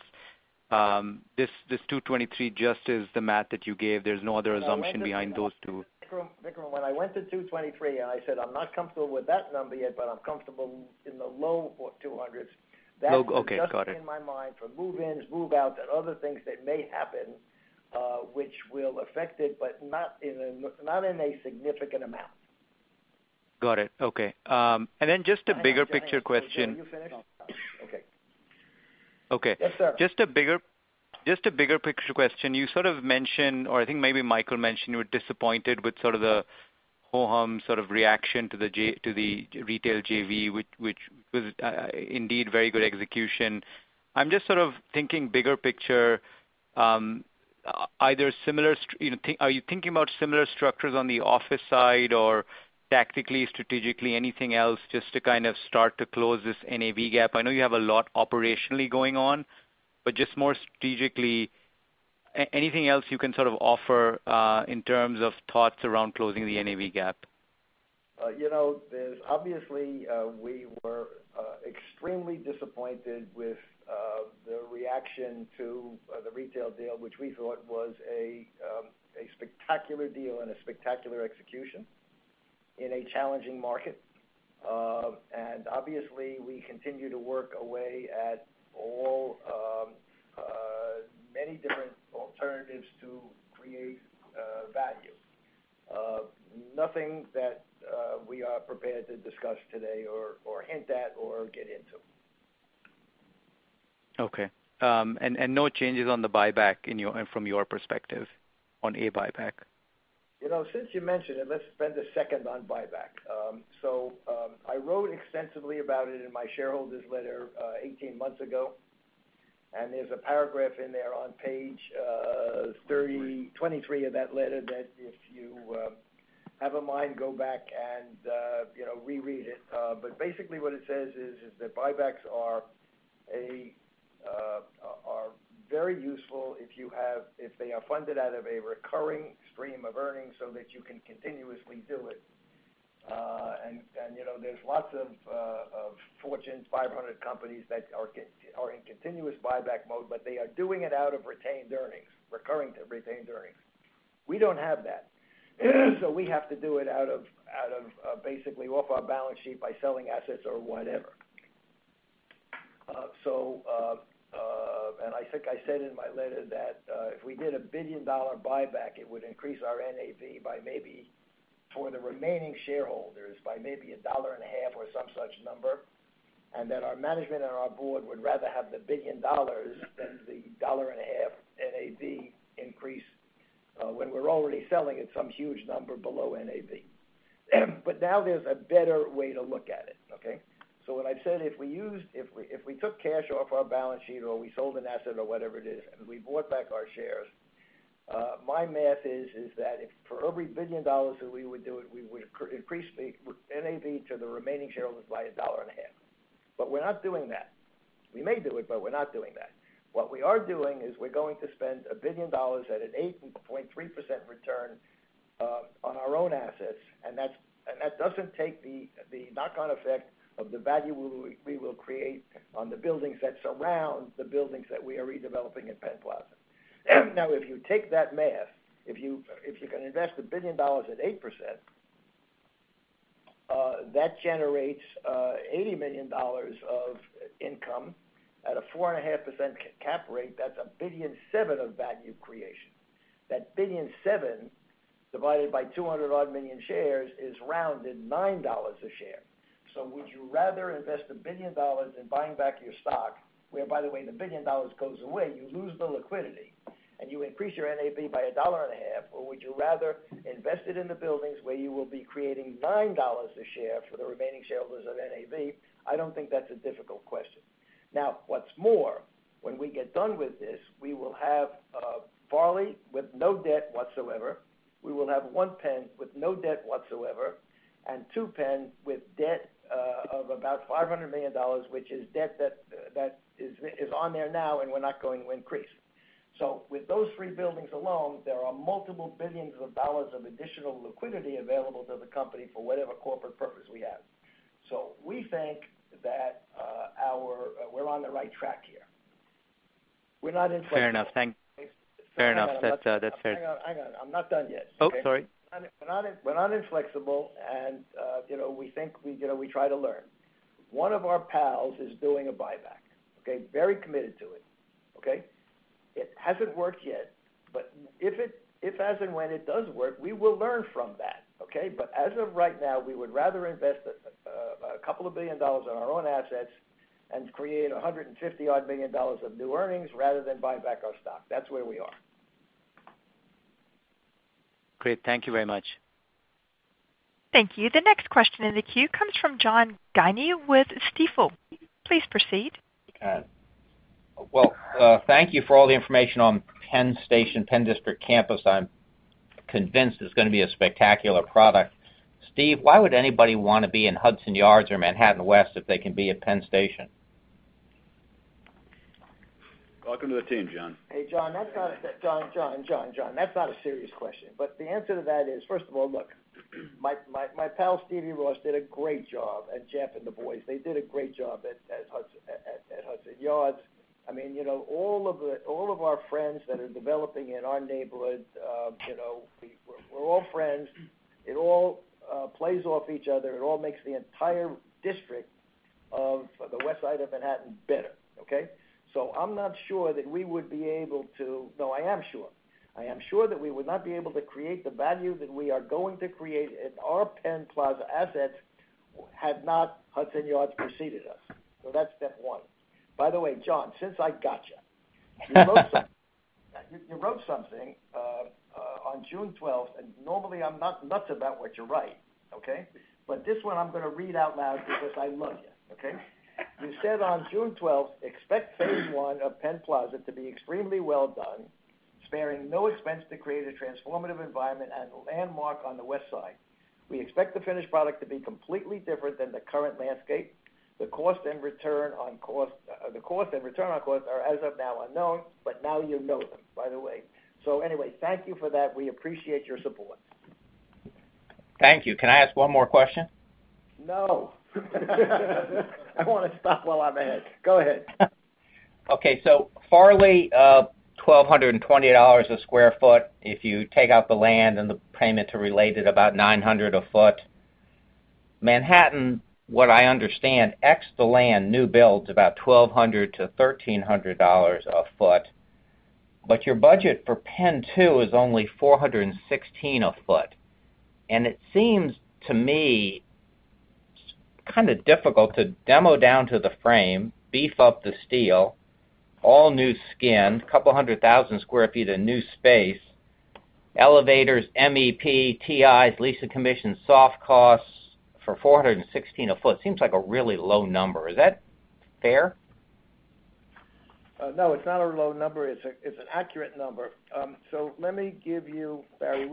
Speaker 11: This $223 just is the math that you gave. There's no other assumption behind those two.
Speaker 8: Vikram, when I went to $223, and I said I'm not comfortable with that number yet, but I'm comfortable in the low 200s.
Speaker 11: Okay, got it.
Speaker 8: That's just in my mind for move-ins, move-outs, and other things that may happen, which will affect it, but not in a significant amount.
Speaker 11: Got it. Okay. Just a bigger picture question. Okay.
Speaker 8: Yes, sir.
Speaker 11: Just a bigger picture question. You sort of mentioned, or I think maybe Michael mentioned you were disappointed with sort of the ho-hum sort of reaction to the retail JV, which was indeed very good execution. I'm just sort of thinking bigger picture. Are you thinking about similar structures on the office side or tactically, strategically, anything else just to kind of start to close this NAV gap? I know you have a lot operationally going on. Just more strategically, anything else you can sort of offer, in terms of thoughts around closing the NAV gap?
Speaker 3: Obviously, we were extremely disappointed with the reaction to the retail deal, which we thought was a spectacular deal and a spectacular execution in a challenging market. Obviously, we continue to work away at all many different alternatives to create value. Nothing that we are prepared to discuss today or hint at or get into.
Speaker 11: Okay. No changes on the buyback from your perspective, on a buyback?
Speaker 8: Since you mentioned it, let's spend a second on buyback. I wrote extensively about it in my shareholders' letter 18 months ago, and there's a paragraph in there on page 23 of that letter that if you have a mind, go back and reread it. Basically what it says is that buybacks are very useful if they are funded out of a recurring stream of earnings so that you can continuously do it. There's lots of Fortune 500 companies that are in continuous buyback mode, but they are doing it out of retained earnings, recurring retained earnings. We don't have that. We have to do it out of basically off our balance sheet by selling assets or whatever. I think I said in my letter that, if we did a $1 billion buyback, it would increase our NAV by maybe for the remaining shareholders, by maybe $1.50 or some such number, and that our management and our board would rather have the $1 billion than the $1.50 NAV increase, when we're already selling at some huge number below NAV. Now there's a better way to look at it, okay? What I've said, if we took cash off our balance sheet or we sold an asset or whatever it is, and we bought back our shares, my math is that for every $1 billion that we would do it, we would increase the NAV to the remaining shareholders by $1.50. We're not doing that. We may do it, but we're not doing that. What we are doing is we are going to spend $1 billion at an 8.3% return on our own assets. That doesn't take the knock-on effect of the value we will create on the buildings that surround the buildings that we are redeveloping at PENN Plaza. If you take that math, if you can invest $1 billion at 8%, that generates $80 million of income at a 4.5% cap rate, that's $1.7 billion of value creation. That $1.7 billion divided by 200 odd million shares is rounded $9 a share. Would you rather invest $1 billion in buying back your stock, where, by the way, the $1 billion goes away, you lose the liquidity, and you increase your NAV by $1.50? Would you rather invest it in the buildings where you will be creating $9 a share for the remaining shareholders of NAV? I don't think that's a difficult question. What's more, when we get done with this, we will have Farley with no debt whatsoever. We will have 1 PENN with no debt whatsoever and 2 PENN with debt of about $500 million, which is debt that is on there now and we're not going to increase. With those three buildings alone, there are multiple billions of dollars of additional liquidity available to the company for whatever corporate purpose we have. We think that we're on the right track here. We're not inflexible.
Speaker 11: Fair enough. Thanks. Fair enough. That's fair.
Speaker 8: Hang on. I'm not done yet.
Speaker 11: Oh, sorry.
Speaker 8: We're not inflexible, and we try to learn. One of our pals is doing a buyback, okay. Very committed to it, okay. It hasn't worked yet, but if, as and when it does work, we will learn from that, okay. As of right now, we would rather invest a couple of billion USD on our own assets and create $150 odd billion of new earnings rather than buy back our stock. That's where we are.
Speaker 11: Great. Thank you very much.
Speaker 1: Thank you. The next question in the queue comes from John Guinee with Stifel. Please proceed.
Speaker 12: Well, thank you for all the information on PENN Station, PENN DISTRICT Campus. I'm convinced it's going to be a spectacular product. Steve, why would anybody want to be in Hudson Yards or Manhattan West if they can be at PENN Station?
Speaker 3: Welcome to the team, John.
Speaker 8: Hey, John. John, that's not a serious question. The answer to that is, first of all, look, my pal Stevie Ross did a great job, and Jeff and the boys. They did a great job at Hudson Yards. All of our friends that are developing in our neighborhood, we're all friends. It all plays off each other. It all makes the entire district of the West Side of Manhattan better. Okay. I'm not sure that we would be able to. No, I am sure. I am sure that we would not be able to create the value that we are going to create at our PENN Plaza assets, had not Hudson Yards preceded us. That's step one. By the way, John, since I got you. You wrote something on June 12th, and normally I'm not nuts about what you write, okay. This one I'm going to read out loud because I love you. Okay? You said on June 12th, "Expect phase I of PENN Plaza to be extremely well done, sparing no expense to create a transformative environment and a landmark on the West Side. We expect the finished product to be completely different than the current landscape. The cost and return on cost are, as of now, unknown." Now you know them, by the way. Anyway, thank you for that. We appreciate your support.
Speaker 12: Thank you. Can I ask one more question?
Speaker 8: No. I want to stop while I'm ahead. Go ahead.
Speaker 12: Okay, Farley, $1,220 a sq ft. If you take out the land and the payment to Related, about $900 a foot. Manhattan, what I understand, ex the land, new build's about $1,200-$1,300 a foot. Your budget for PENN 2 is only $416 a foot. It seems to me kind of difficult to demo down to the frame, beef up the steel, all new skin, couple hundred thousand square feet of new space, elevators, MEP, TIs, leasing commissions, soft costs for $416 a foot seems like a really low number. Is that fair?
Speaker 8: No, it's not a low number. It's an accurate number. Let me give you, Barry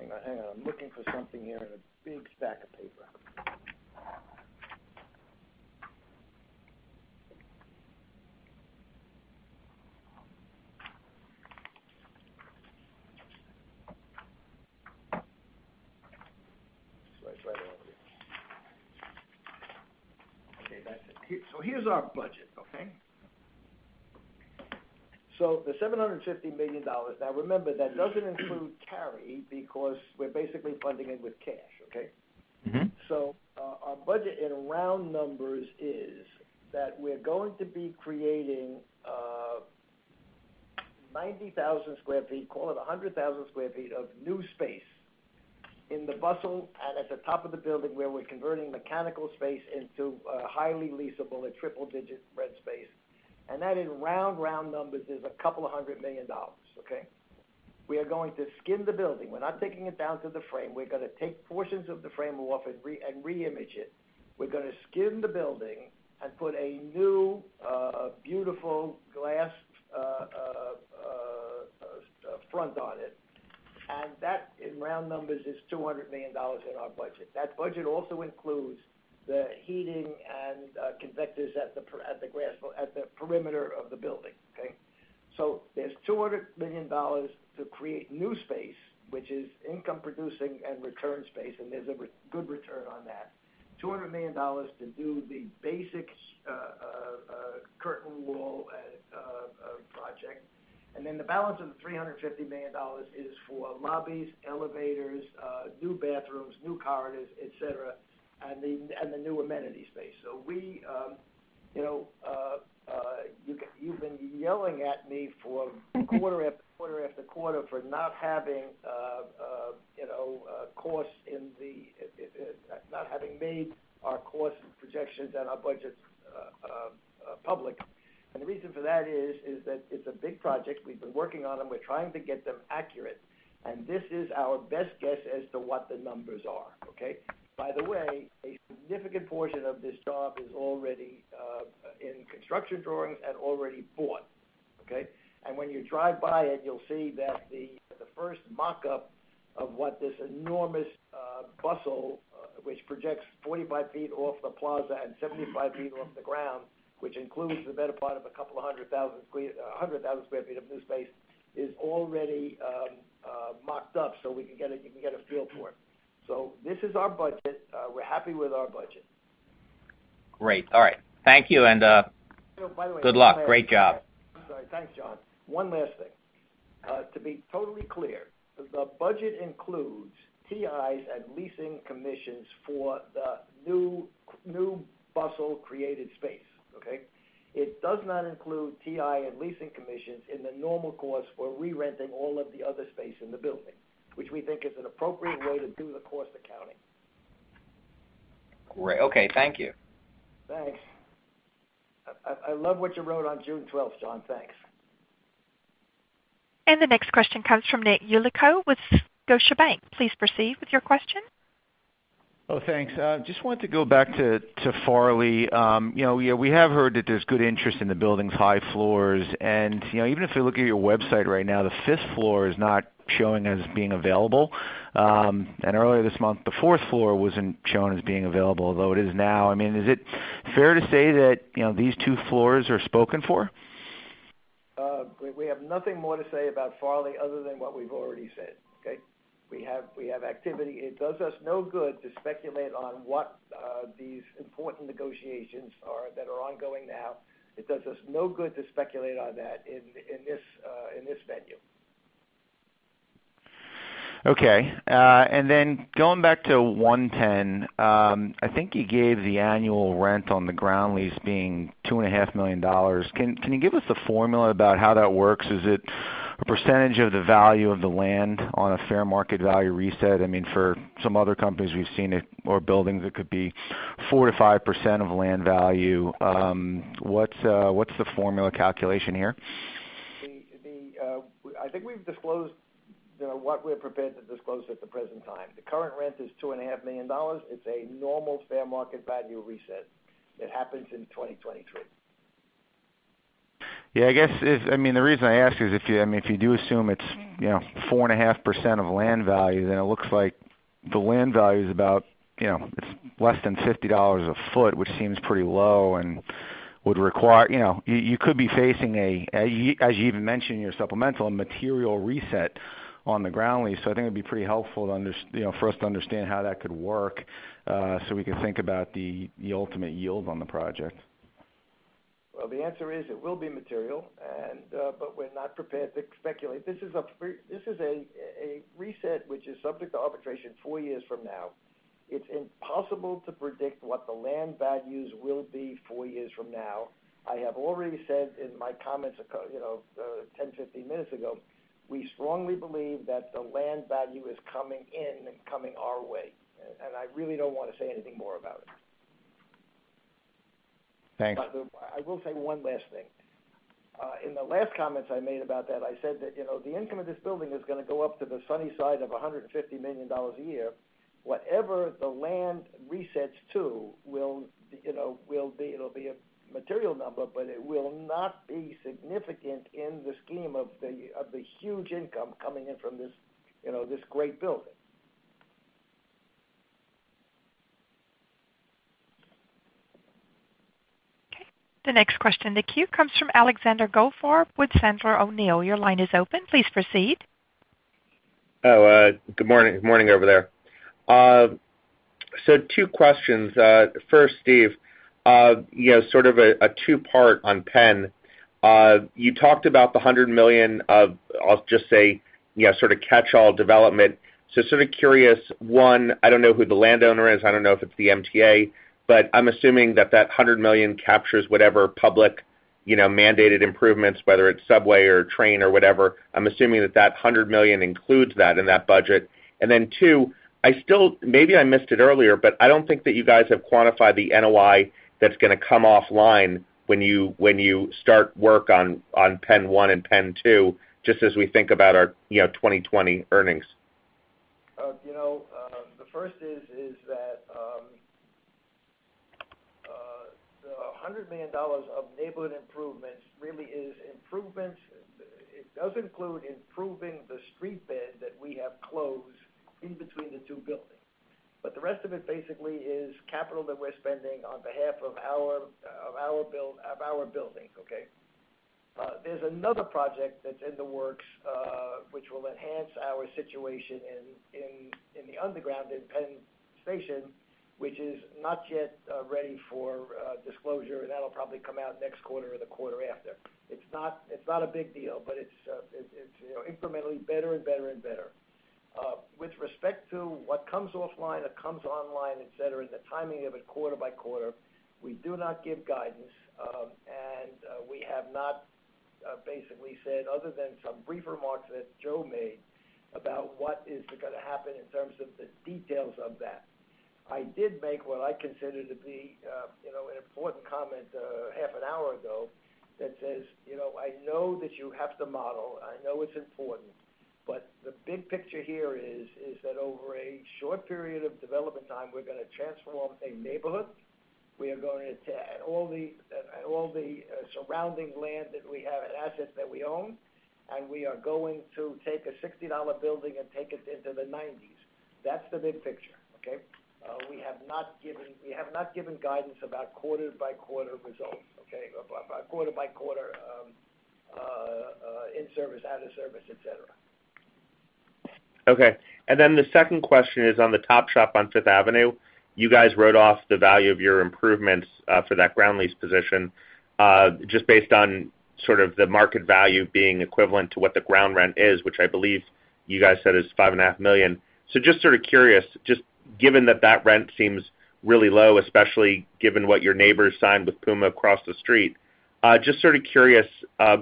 Speaker 8: Wisch, your page. Hang on. I'm looking for something here in a big stack of paper. It's right here. Okay, that's it. Here's our budget, okay? The $750 million. Now, remember, that doesn't include carry because we're basically funding it with cash, okay? Our budget in round numbers is that we're going to be creating 90,000 sq ft, call it 100,000 sq ft of new space in the bustle at the top of the building where we're converting mechanical space into a highly leasable, a triple-digit rent space. That in round numbers is a couple of hundred million dollars, okay? We are going to skin the building. We're not taking it down to the frame. We're going to take portions of the frame off and re-image it. We're going to skin the building and put a new, beautiful glass front on it. That, in round numbers, is $200 million in our budget. That budget also includes the heating and convectors at the perimeter of the building, okay? There's $200 million to create new space, which is income producing and return space, and there's a good return on that. $200 million to do the basic curtain wall project. Then the balance of the $350 million is for lobbies, elevators, new bathrooms, new corridors, et cetera, and the new amenity space. You've been yelling at me for quarter after quarter after quarter for not having made our cost projections and our budgets public. The reason for that is that it's a big project. We've been working on them. We're trying to get them accurate. This is our best guess as to what the numbers are, okay? By the way, a significant portion of this job is already in construction drawings and already bought, okay? When you drive by it, you'll see that the first mock-up of what this enormous bustle, which projects 45 ft off the plaza and 75 ft off the ground, which includes the better part of a couple of hundred thousand square feet of new space, is already mocked up, so you can get a feel for it. This is our budget. We're happy with our budget.
Speaker 12: Great. All right. Thank you.
Speaker 8: Oh, by the way.
Speaker 12: Good luck. Great job.
Speaker 8: I'm sorry. Thanks, John. One last thing. To be totally clear, the budget includes TIs and leasing commissions for the new bustle-created space, okay? It does not include TI and leasing commissions in the normal course for re-renting all of the other space in the building, which we think is an appropriate way to do the cost accounting.
Speaker 12: Great. Okay. Thank you.
Speaker 8: Thanks. I love what you wrote on June 12th, John. Thanks.
Speaker 1: The next question comes from Nick Yulico with Scotiabank. Please proceed with your question.
Speaker 13: Oh, thanks. Just wanted to go back to Farley. We have heard that there's good interest in the building's high floors, and even if you look at your website right now, the fifth floor is not showing as being available. Earlier this month, the fourth floor wasn't shown as being available, although it is now. Is it fair to say that these two floors are spoken for?
Speaker 3: We have nothing more to say about Farley other than what we've already said, okay? We have activity. It does us no good to speculate on what these important negotiations are that are ongoing now. It does us no good to speculate on that in this venue.
Speaker 13: Okay. Going back to 110, I think you gave the annual rent on the ground lease being $2.5 million. Can you give us the formula about how that works? Is it a percentage of the value of the land on a fair mark-to-market reset? For some other companies we've seen it, or buildings, it could be 4%-5% of land value. What's the formula calculation here?
Speaker 3: I think we've disclosed what we're prepared to disclose at the present time. The current rent is $2.5 million. It's a normal fair market value reset. It happens in 2023.
Speaker 13: Yeah, the reason I ask is if you do assume it's 4.5% of land value, then it looks like the land value is about less than $50 a foot, which seems pretty low and you could be facing, as you even mentioned in your supplemental, a material reset on the ground lease. I think it'd be pretty helpful for us to understand how that could work, so we can think about the ultimate yield on the project.
Speaker 8: Well, the answer is it will be material, but we're not prepared to speculate. This is a reset, which is subject to arbitration four years from now. It's impossible to predict what the land values will be four years from now. I have already said in my comments 10, 15 minutes ago, we strongly believe that the land value is coming in and coming our way, and I really don't want to say anything more about it.
Speaker 13: Thanks.
Speaker 8: I will say one last thing. In the last comments I made about that, I said that the income of this building is going to go up to the sunny side of $150 million a year. Whatever the land resets to, it'll be a material number, but it will not be significant in the scheme of the huge income coming in from this great building.
Speaker 1: Okay. The next question in the queue comes from Alexander Goldfarb with Sandler O'Neill. Your line is open. Please proceed.
Speaker 14: Good morning. Morning over there. Two questions. First, Steve, sort of a two-part on PENN. You talked about the $100 million of, I'll just say, sort of catchall development. Sort of curious, one, I don't know who the landowner is. I don't know if it's the MTA, I'm assuming that that $100 million captures whatever public mandated improvements, whether it's subway or train or whatever. I'm assuming that that $100 million includes that in that budget. Two, maybe I missed it earlier, I don't think that you guys have quantified the NOI that's going to come offline when you start work on PENN 1 and PENN 2, just as we think about our 2020 earnings.
Speaker 8: The first is that the $100 million of neighborhood improvements really is improvements. It does include improving the street bed that we have closed in between the two buildings. The rest of it basically is capital that we're spending on behalf of our buildings, okay? There's another project that's in the works, which will enhance our situation in the underground in PENN Station, which is not yet ready for disclosure. That'll probably come out next quarter or the quarter after. It's not a big deal, but it's incrementally better and better and better. With respect to what comes offline or comes online, et cetera, and the timing of it quarter by quarter, we do not give guidance. We have not basically said, other than some brief remarks that Joe made, about what is going to happen in terms of the details of that. I did make what I consider to be an important comment half an hour ago that says, I know that you have to model. I know it's important, but the big picture here is that over a short period of development time, we're going to transform a neighborhood. We are going to add all the surrounding land that we have, an asset that we own, and we are going to take a $60 building and take it into the 1990s. That's the big picture, okay? We have not given guidance about quarter by quarter results, okay? About quarter by quarter in service, out of service, et cetera.
Speaker 14: Okay. The second question is on the Topshop on 5th Avenue. You guys wrote off the value of your improvements for that ground lease position, just based on sort of the market value being equivalent to what the ground rent is, which I believe you guys said is $5.5 million. Just sort of curious, just given that that rent seems really low, especially given what your neighbors signed with Puma across the street, just sort of curious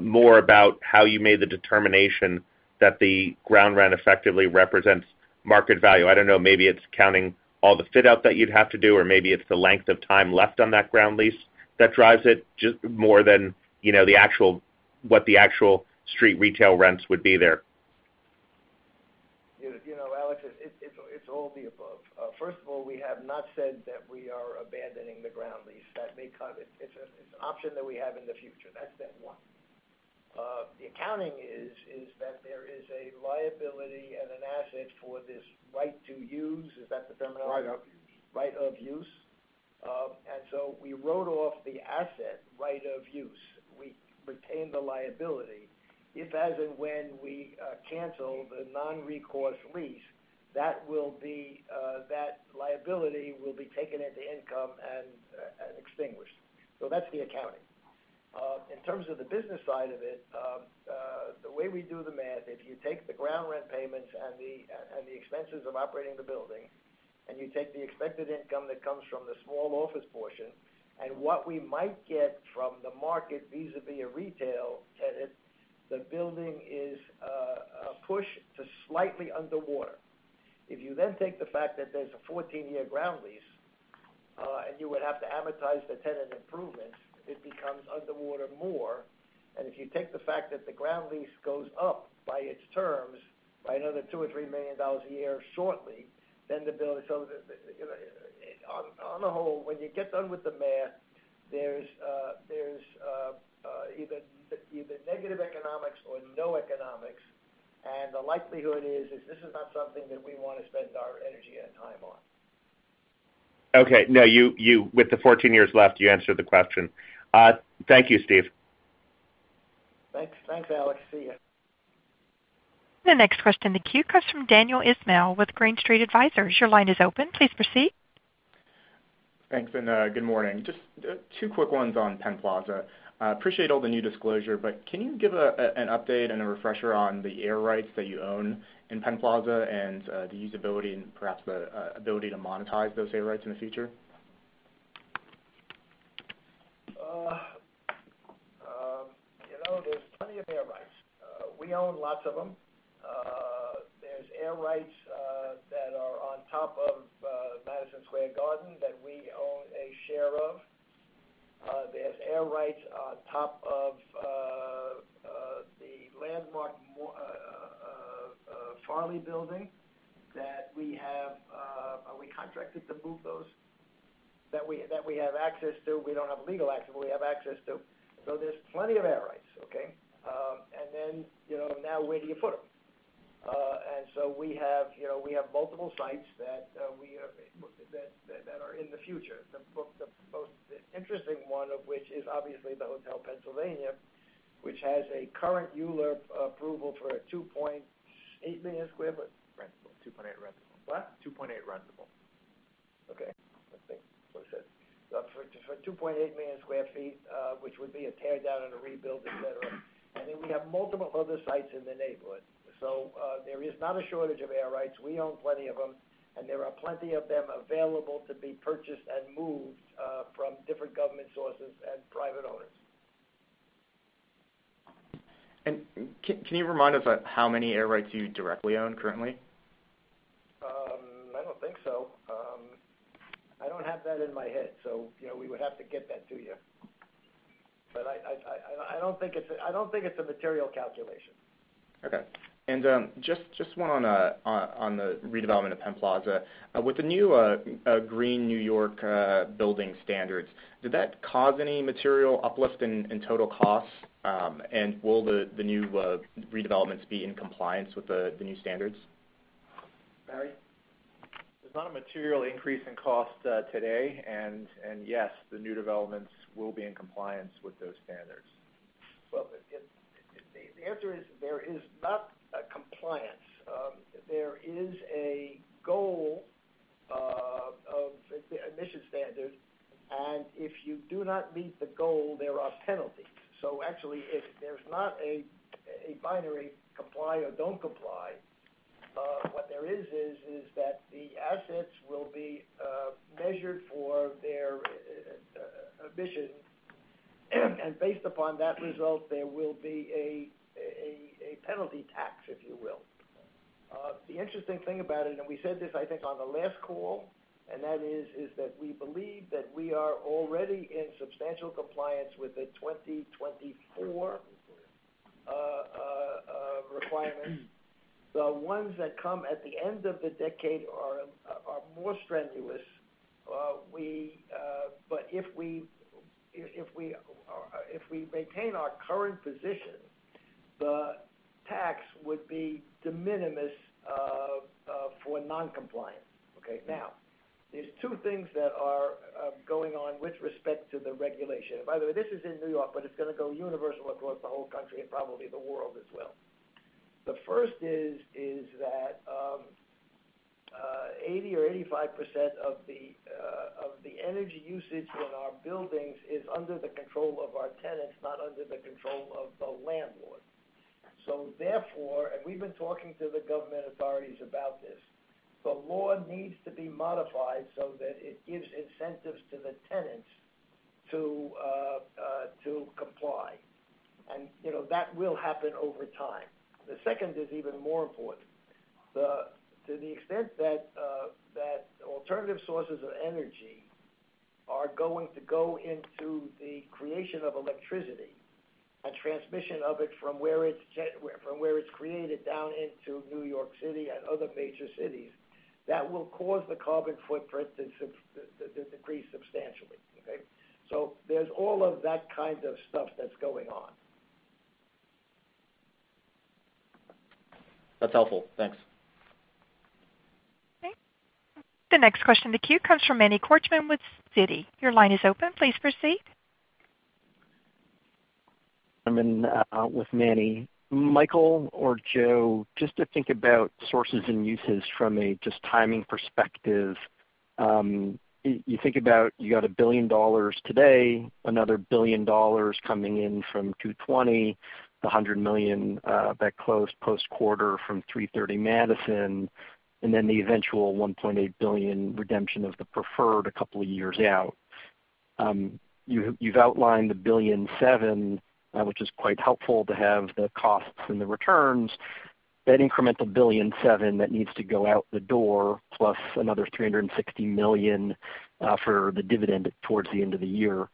Speaker 14: more about how you made the determination that the ground rent effectively represents market value. I don't know, maybe it's counting all the fit out that you'd have to do, or maybe it's the length of time left on that ground lease that drives it more than what the actual street retail rents would be there.
Speaker 8: Alex, it's all the above. First of all, we have not said that we are abandoning the ground lease. It's an option that we have in the future. That's step one. The accounting is that there is a liability and an asset for this right of use. Is that the terminology? Right of use. We wrote off the asset right of use. We retained the liability. If as and when we cancel the non-recourse lease, that liability will be taken into income and extinguished. That's the accounting. In terms of the business side of it, the way we do the math, if you take the ground rent payments and the expenses of operating the building, and you take the expected income that comes from the small office portion, and what we might get from the market vis-a-vis a retail tenant, the building is pushed to slightly underwater. If you then take the fact that there's a 14-year ground lease, and you would have to amortize the tenant improvements, it becomes underwater more. If you take the fact that the ground lease goes up by its terms, by another $2 or $3 million a year shortly, on a whole, when you get done with the math, there's either negative economics or no economics. The likelihood is, this is not something that we want to spend our energy and time on.
Speaker 14: Okay. No, with the 14 years left, you answered the question. Thank you, Steve.
Speaker 8: Thanks, Alex. See you.
Speaker 1: The next question in the queue comes from Daniel Ismail with Green Street Advisors. Your line is open. Please proceed.
Speaker 15: Thanks, and good morning. Just two quick ones on PENN Plaza. I appreciate all the new disclosure, but can you give an update and a refresher on the air rights that you own in PENN Plaza, and the usability and perhaps the ability to monetize those air rights in the future?
Speaker 8: There's plenty of air rights. We own lots of them. There's air rights that are on top of Madison Square Garden that we own a share of. There's air rights on top of the landmark Farley Building that we have access to. Are we contracted to move those? We don't have legal access, but we have access to. There's plenty of air rights, okay? Now, where do you put them? We have multiple sites that are in the future. The most interesting one of which is obviously the Hotel PENNsylvania, which has a current ULURP approval for a 2.8 million sq ft?
Speaker 15: Rentable, 2.8 rentable.
Speaker 8: What?
Speaker 15: 2.8 rentable.
Speaker 8: Okay. Let's see. For 2.8 million sq ft, which would be a tear down and a rebuild, et cetera. We have multiple other sites in the neighborhood. There is not a shortage of air rights. We own plenty of them, and there are plenty of them available to be purchased and moved from different government sources and private owners.
Speaker 15: Can you remind us how many air rights you directly own currently?
Speaker 8: I don't think so. I don't have that in my head. We would have to get that to you. I don't think it's a material calculation.
Speaker 15: Okay. Just one on the redevelopment of PENN Plaza. With the new Green New York building standards, did that cause any material uplift in total costs? Will the new redevelopments be in compliance with the new standards?
Speaker 8: Barry?
Speaker 16: There's not a material increase in cost today, and yes, the new developments will be in compliance with those standards.
Speaker 8: The answer is, there is not a compliance. There is a goal of emission standards, and if you do not meet the goal, there are penalties. Actually, there's not a binary comply or don't comply. What there is that the assets will be measured for their emission, and based upon that result, there will be a penalty tax, if you will. The interesting thing about it, and we said this, I think, on the last call, and that is that we believe that we are already in substantial compliance with the 2024 requirements. The ones that come at the end of the decade are more strenuous. If we maintain our current position, the tax would be de minimis for non-compliance. Now, there's two things that are going on with respect to the regulation. By the way, this is in New York, but it's going to go universal across the whole country and probably the world as well. The first is that 80% or 85% of the energy usage in our buildings is under the control of our tenants, not under the control of the landlord. Therefore, and we've been talking to the government authorities about this, the law needs to be modified so that it gives incentives to the tenants to comply. That will happen over time. The second is even more important. To the extent that alternative sources of energy are going to go into the creation of electricity and transmission of it from where it's created down into New York City and other major cities, that will cause the carbon footprint to decrease substantially. Okay. There's all of that kind of stuff that's going on.
Speaker 15: That's helpful. Thanks.
Speaker 1: Okay. The next question in the queue comes from Manny Korchman with Citi. Your line is open. Please proceed.
Speaker 17: I'm in with Manny. Michael or Joe, to think about sources and uses from a timing perspective. You think about you got $1 billion today, another $1 billion coming in from 220, the $100 million that closed post-quarter from 330 Madison, and then the eventual $1.8 billion redemption of the preferred a couple of years out. You've outlined the $1.7 billion, which is quite helpful to have the costs and the returns. That incremental $1.7 billion that needs to go out the door, plus another $360 million for the dividend towards the end of the year.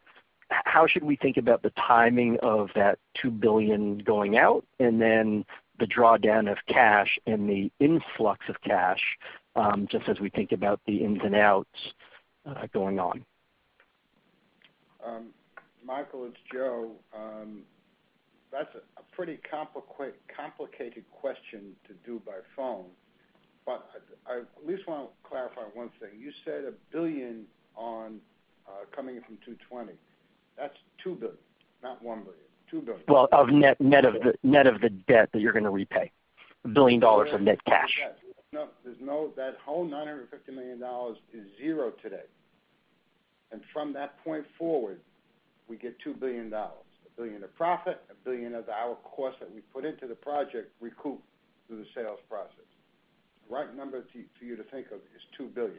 Speaker 17: How should we think about the timing of that $2 billion going out, and then the drawdown of cash and the influx of cash, just as we think about the ins and outs going on?
Speaker 5: Michael, it's Joe. That's a pretty complicated question to do by phone, but I at least want to clarify one thing. You said a billion on coming in from 220. That's $2 billion, not $1 billion. $2 billion.
Speaker 17: Well, net of the debt that you're going to repay. $1 billion of net cash.
Speaker 5: That whole $950 million is zero today. From that point forward, we get $2 billion. $1 billion of profit, $1 billion of our cost that we put into the project recouped through the sales process. The right number for you to think of is $2 billion.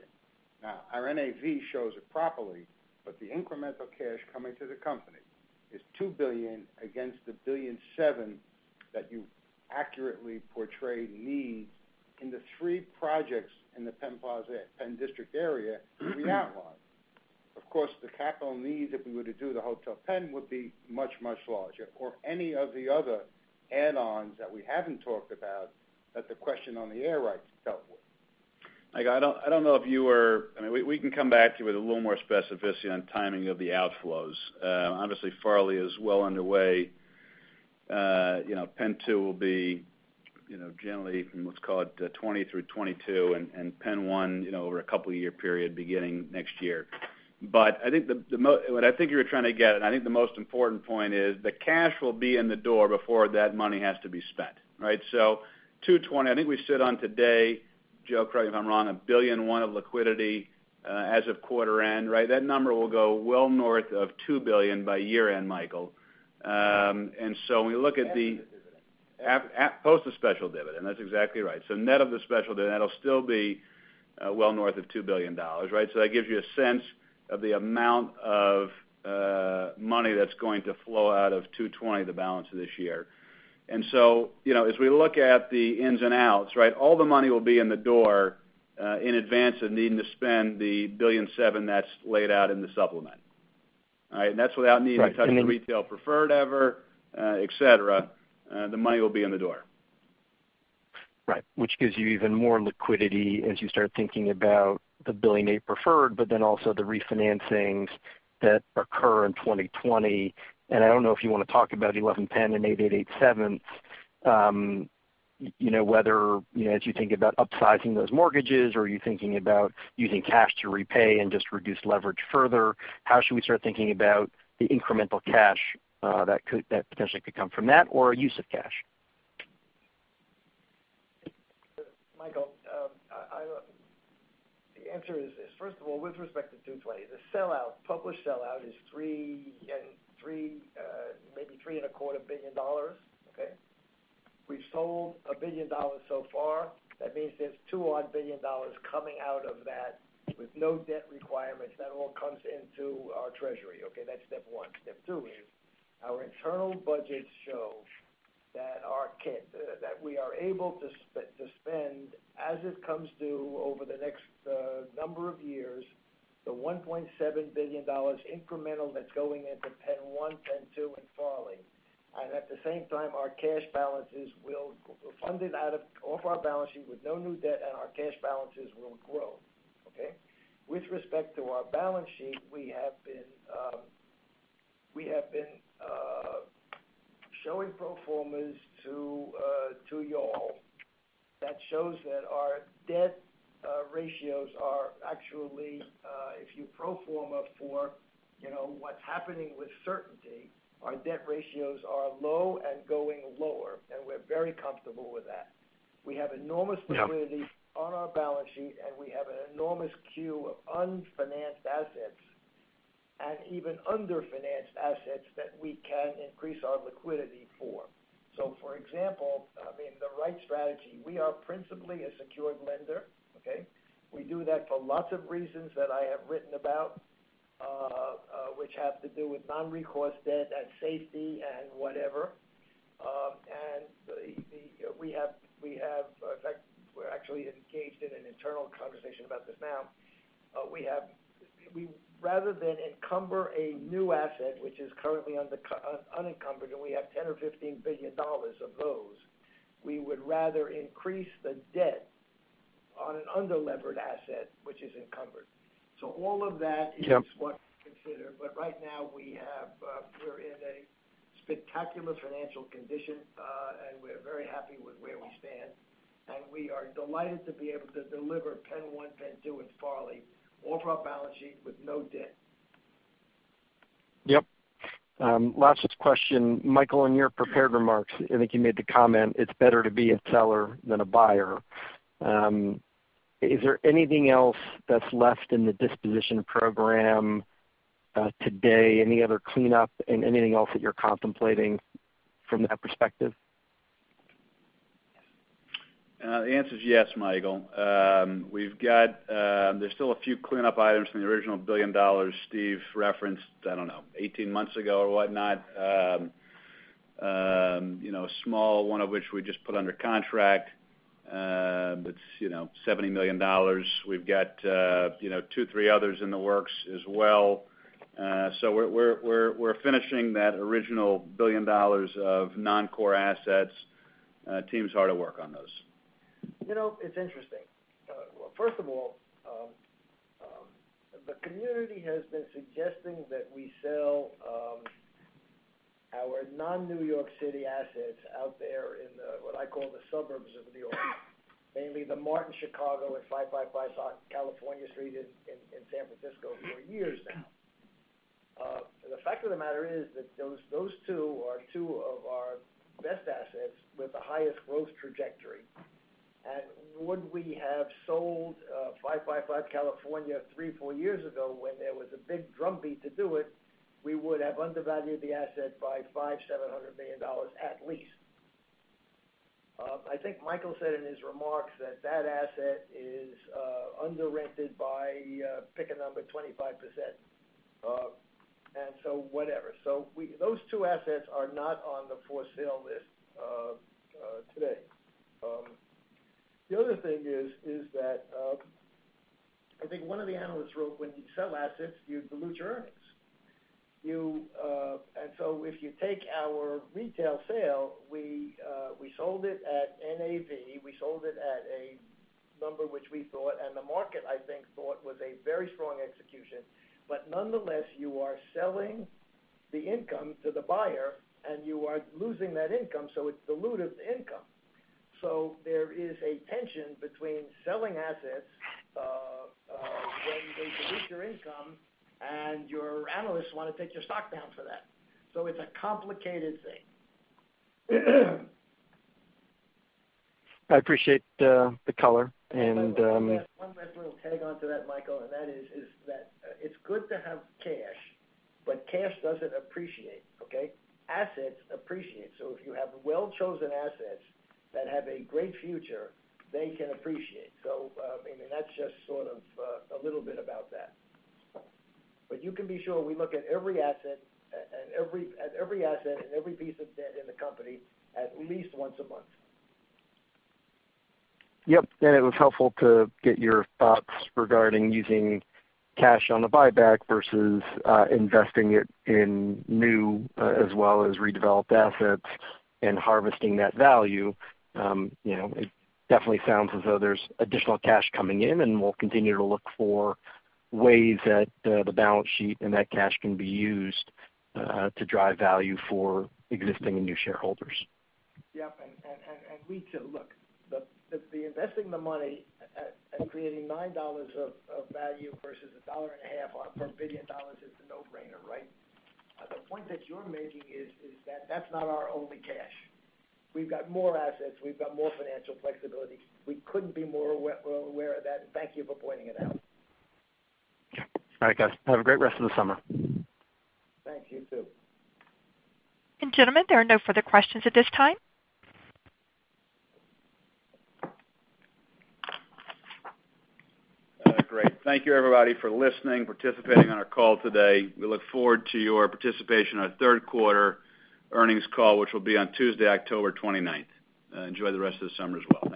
Speaker 5: Our NAV shows it properly, but the incremental cash coming to the company is $2 billion against the $1.7 billion that you accurately portrayed need in the three projects in the PENN DISTRICT area we outlined. Of course, the capital needs, if we were to do the Hotel PENN, would be much larger. Any of the other add-ons that we haven't talked about, that the question on the air rights dealt with.
Speaker 3: I don't know if you were, we can come back to you with a little more specificity on timing of the outflows. Obviously, Farley is well underway. PENN 2 will be generally from, let's call it, 2020 through 2022, and PENN 1 over a couple of year period beginning next year. What I think you were trying to get at, and I think the most important point is the cash will be in the door before that money has to be spent. Right? $220, I think we sit on today, Joe, correct me if I'm wrong, $1.1 billion of liquidity as of quarter end. Right? That number will go well north of $2 billion by year-end, Michael. When we look at the- Post the special dividend. That's exactly right. Net of the special dividend, that'll still be well north of $2 billion. Right? That gives you a sense of the amount of money that's going to flow out of 220 the balance of this year. As we look at the ins and outs, all the money will be in the door in advance of needing to spend the $1.7 billion that's laid out in the supplement. All right? That's without needing to touch the retail preferred ever, et cetera. The money will be in the door.
Speaker 17: Right. Which gives you even more liquidity as you start thinking about the $1.8 billion preferred, also the refinancings that occur in 2020. I don't know if you want to talk about 110 and 888 7th, whether as you think about upsizing those mortgages, or are you thinking about using cash to repay and just reduce leverage further? How should we start thinking about the incremental cash that potentially could come from that or a use of cash?
Speaker 8: Michael, the answer is this. First of all, with respect to 220, the sellout, published sellout is maybe $3.25 billion. Okay? We've sold $1 billion so far. That means there's $2 odd billion coming out of that with no debt requirements. That all comes into our treasury. Okay? That's step one. Step two is our internal budgets show that we are able to spend as it comes due over the next number of years, the $1.7 billion incremental that's going into PENN 1, PENN 2, and Farley. At the same time, our cash balances will fund it off our balance sheet with no new debt, and our cash balances will grow. Okay? With respect to our balance sheet, we have been showing pro formas to you all that shows that our debt ratios are actually, if you pro forma for what's happening with certainty, our debt ratios are low and going lower, and we're very comfortable with that. We have enormous liquidity.
Speaker 17: Yeah.
Speaker 8: On our balance sheet, and we have an enormous queue of unfinanced assets, and even under-financed assets that we can increase our liquidity for. For example, the right strategy, we are principally a secured lender. Okay. We do that for lots of reasons that I have written about, which have to do with non-recourse debt and safety and whatever. In fact, we're actually engaged in an internal conversation about this now. Rather than encumber a new asset, which is currently unencumbered, and we have $10 billion or $15 billion of those, we would rather increase the debt on an under-levered asset which is encumbered. All of that.
Speaker 17: Yeah.
Speaker 8: is what we consider. Right now, we're in a spectacular financial condition, and we're very happy with where we stand. We are delighted to be able to deliver PENN 1, PENN 2, and Farley off our balance sheet with no debt.
Speaker 17: Yep. Last question. Michael, in your prepared remarks, I think you made the comment, it's better to be a seller than a buyer. Is there anything else that's left in the disposition program today? Any other cleanup and anything else that you're contemplating from that perspective?
Speaker 3: The answer is yes, Michael. There's still a few cleanup items from the original $1 billion Steve referenced, I don't know, 18 months ago or whatnot. A small one of which we just put under contract. It's $70 million. We've got two, three others in the works as well. We're finishing that original $1 billion of non-core assets. Team's hard at work on those.
Speaker 8: It's interesting. First of all, the community has been suggesting that we sell our non-New York City assets out there in the, what I call the suburbs of New York, mainly THE MART in Chicago and 555 California Street in San Francisco for years now. The fact of the matter is that those two are two of our best assets with the highest growth trajectory. Would we have sold 555 California three, four years ago when there was a big drumbeat to do it? We would have undervalued the asset by $500 million, $700 million at least. I think Michael said in his remarks that that asset is under-rented by, pick a number, 25%. Those two assets are not on the for-sale list today. The other thing is that, I think one of the analysts wrote, when you sell assets, you dilute your earnings. If you take our retail sale, we sold it at NAV. We sold it at a number which we thought, and the market I think thought, was a very strong execution. Nonetheless, you are selling the income to the buyer, and you are losing that income, so it's dilutive to income. There is a tension between selling assets when they dilute your income, and your analysts want to take your stock down for that. It's a complicated thing.
Speaker 17: I appreciate the color.
Speaker 8: That is that it's good to have cash, but cash doesn't appreciate, okay? Assets appreciate. If you have well-chosen assets that have a great future, they can appreciate. I mean, that's just sort of a little bit about that. You can be sure we look at every asset and every piece of debt in the company at least once a month.
Speaker 17: Yep. It was helpful to get your thoughts regarding using cash on the buyback versus investing it in new as well as redeveloped assets and harvesting that value. It definitely sounds as though there's additional cash coming in and we'll continue to look for ways that the balance sheet and that cash can be used to drive value for existing and new shareholders.
Speaker 8: Yep. We too. Look, the investing the money and creating $9 of value versus a dollar and a half on per billion dollars is a no-brainer, right? The point that you're making is that that's not our only cash. We've got more assets. We've got more financial flexibility. We couldn't be more aware of that, and thank you for pointing it out.
Speaker 17: All right, guys. Have a great rest of the summer.
Speaker 8: Thanks. You, too.
Speaker 1: Gentlemen, there are no further questions at this time.
Speaker 3: Great. Thank you everybody for listening, participating on our call today. We look forward to your participation on our third quarter earnings call, which will be on Tuesday, October 29th. Enjoy the rest of the summer as well.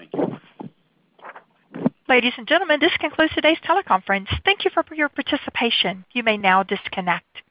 Speaker 3: Thank you.
Speaker 1: Ladies and gentlemen, this concludes today's teleconference. Thank you for your participation. You may now disconnect.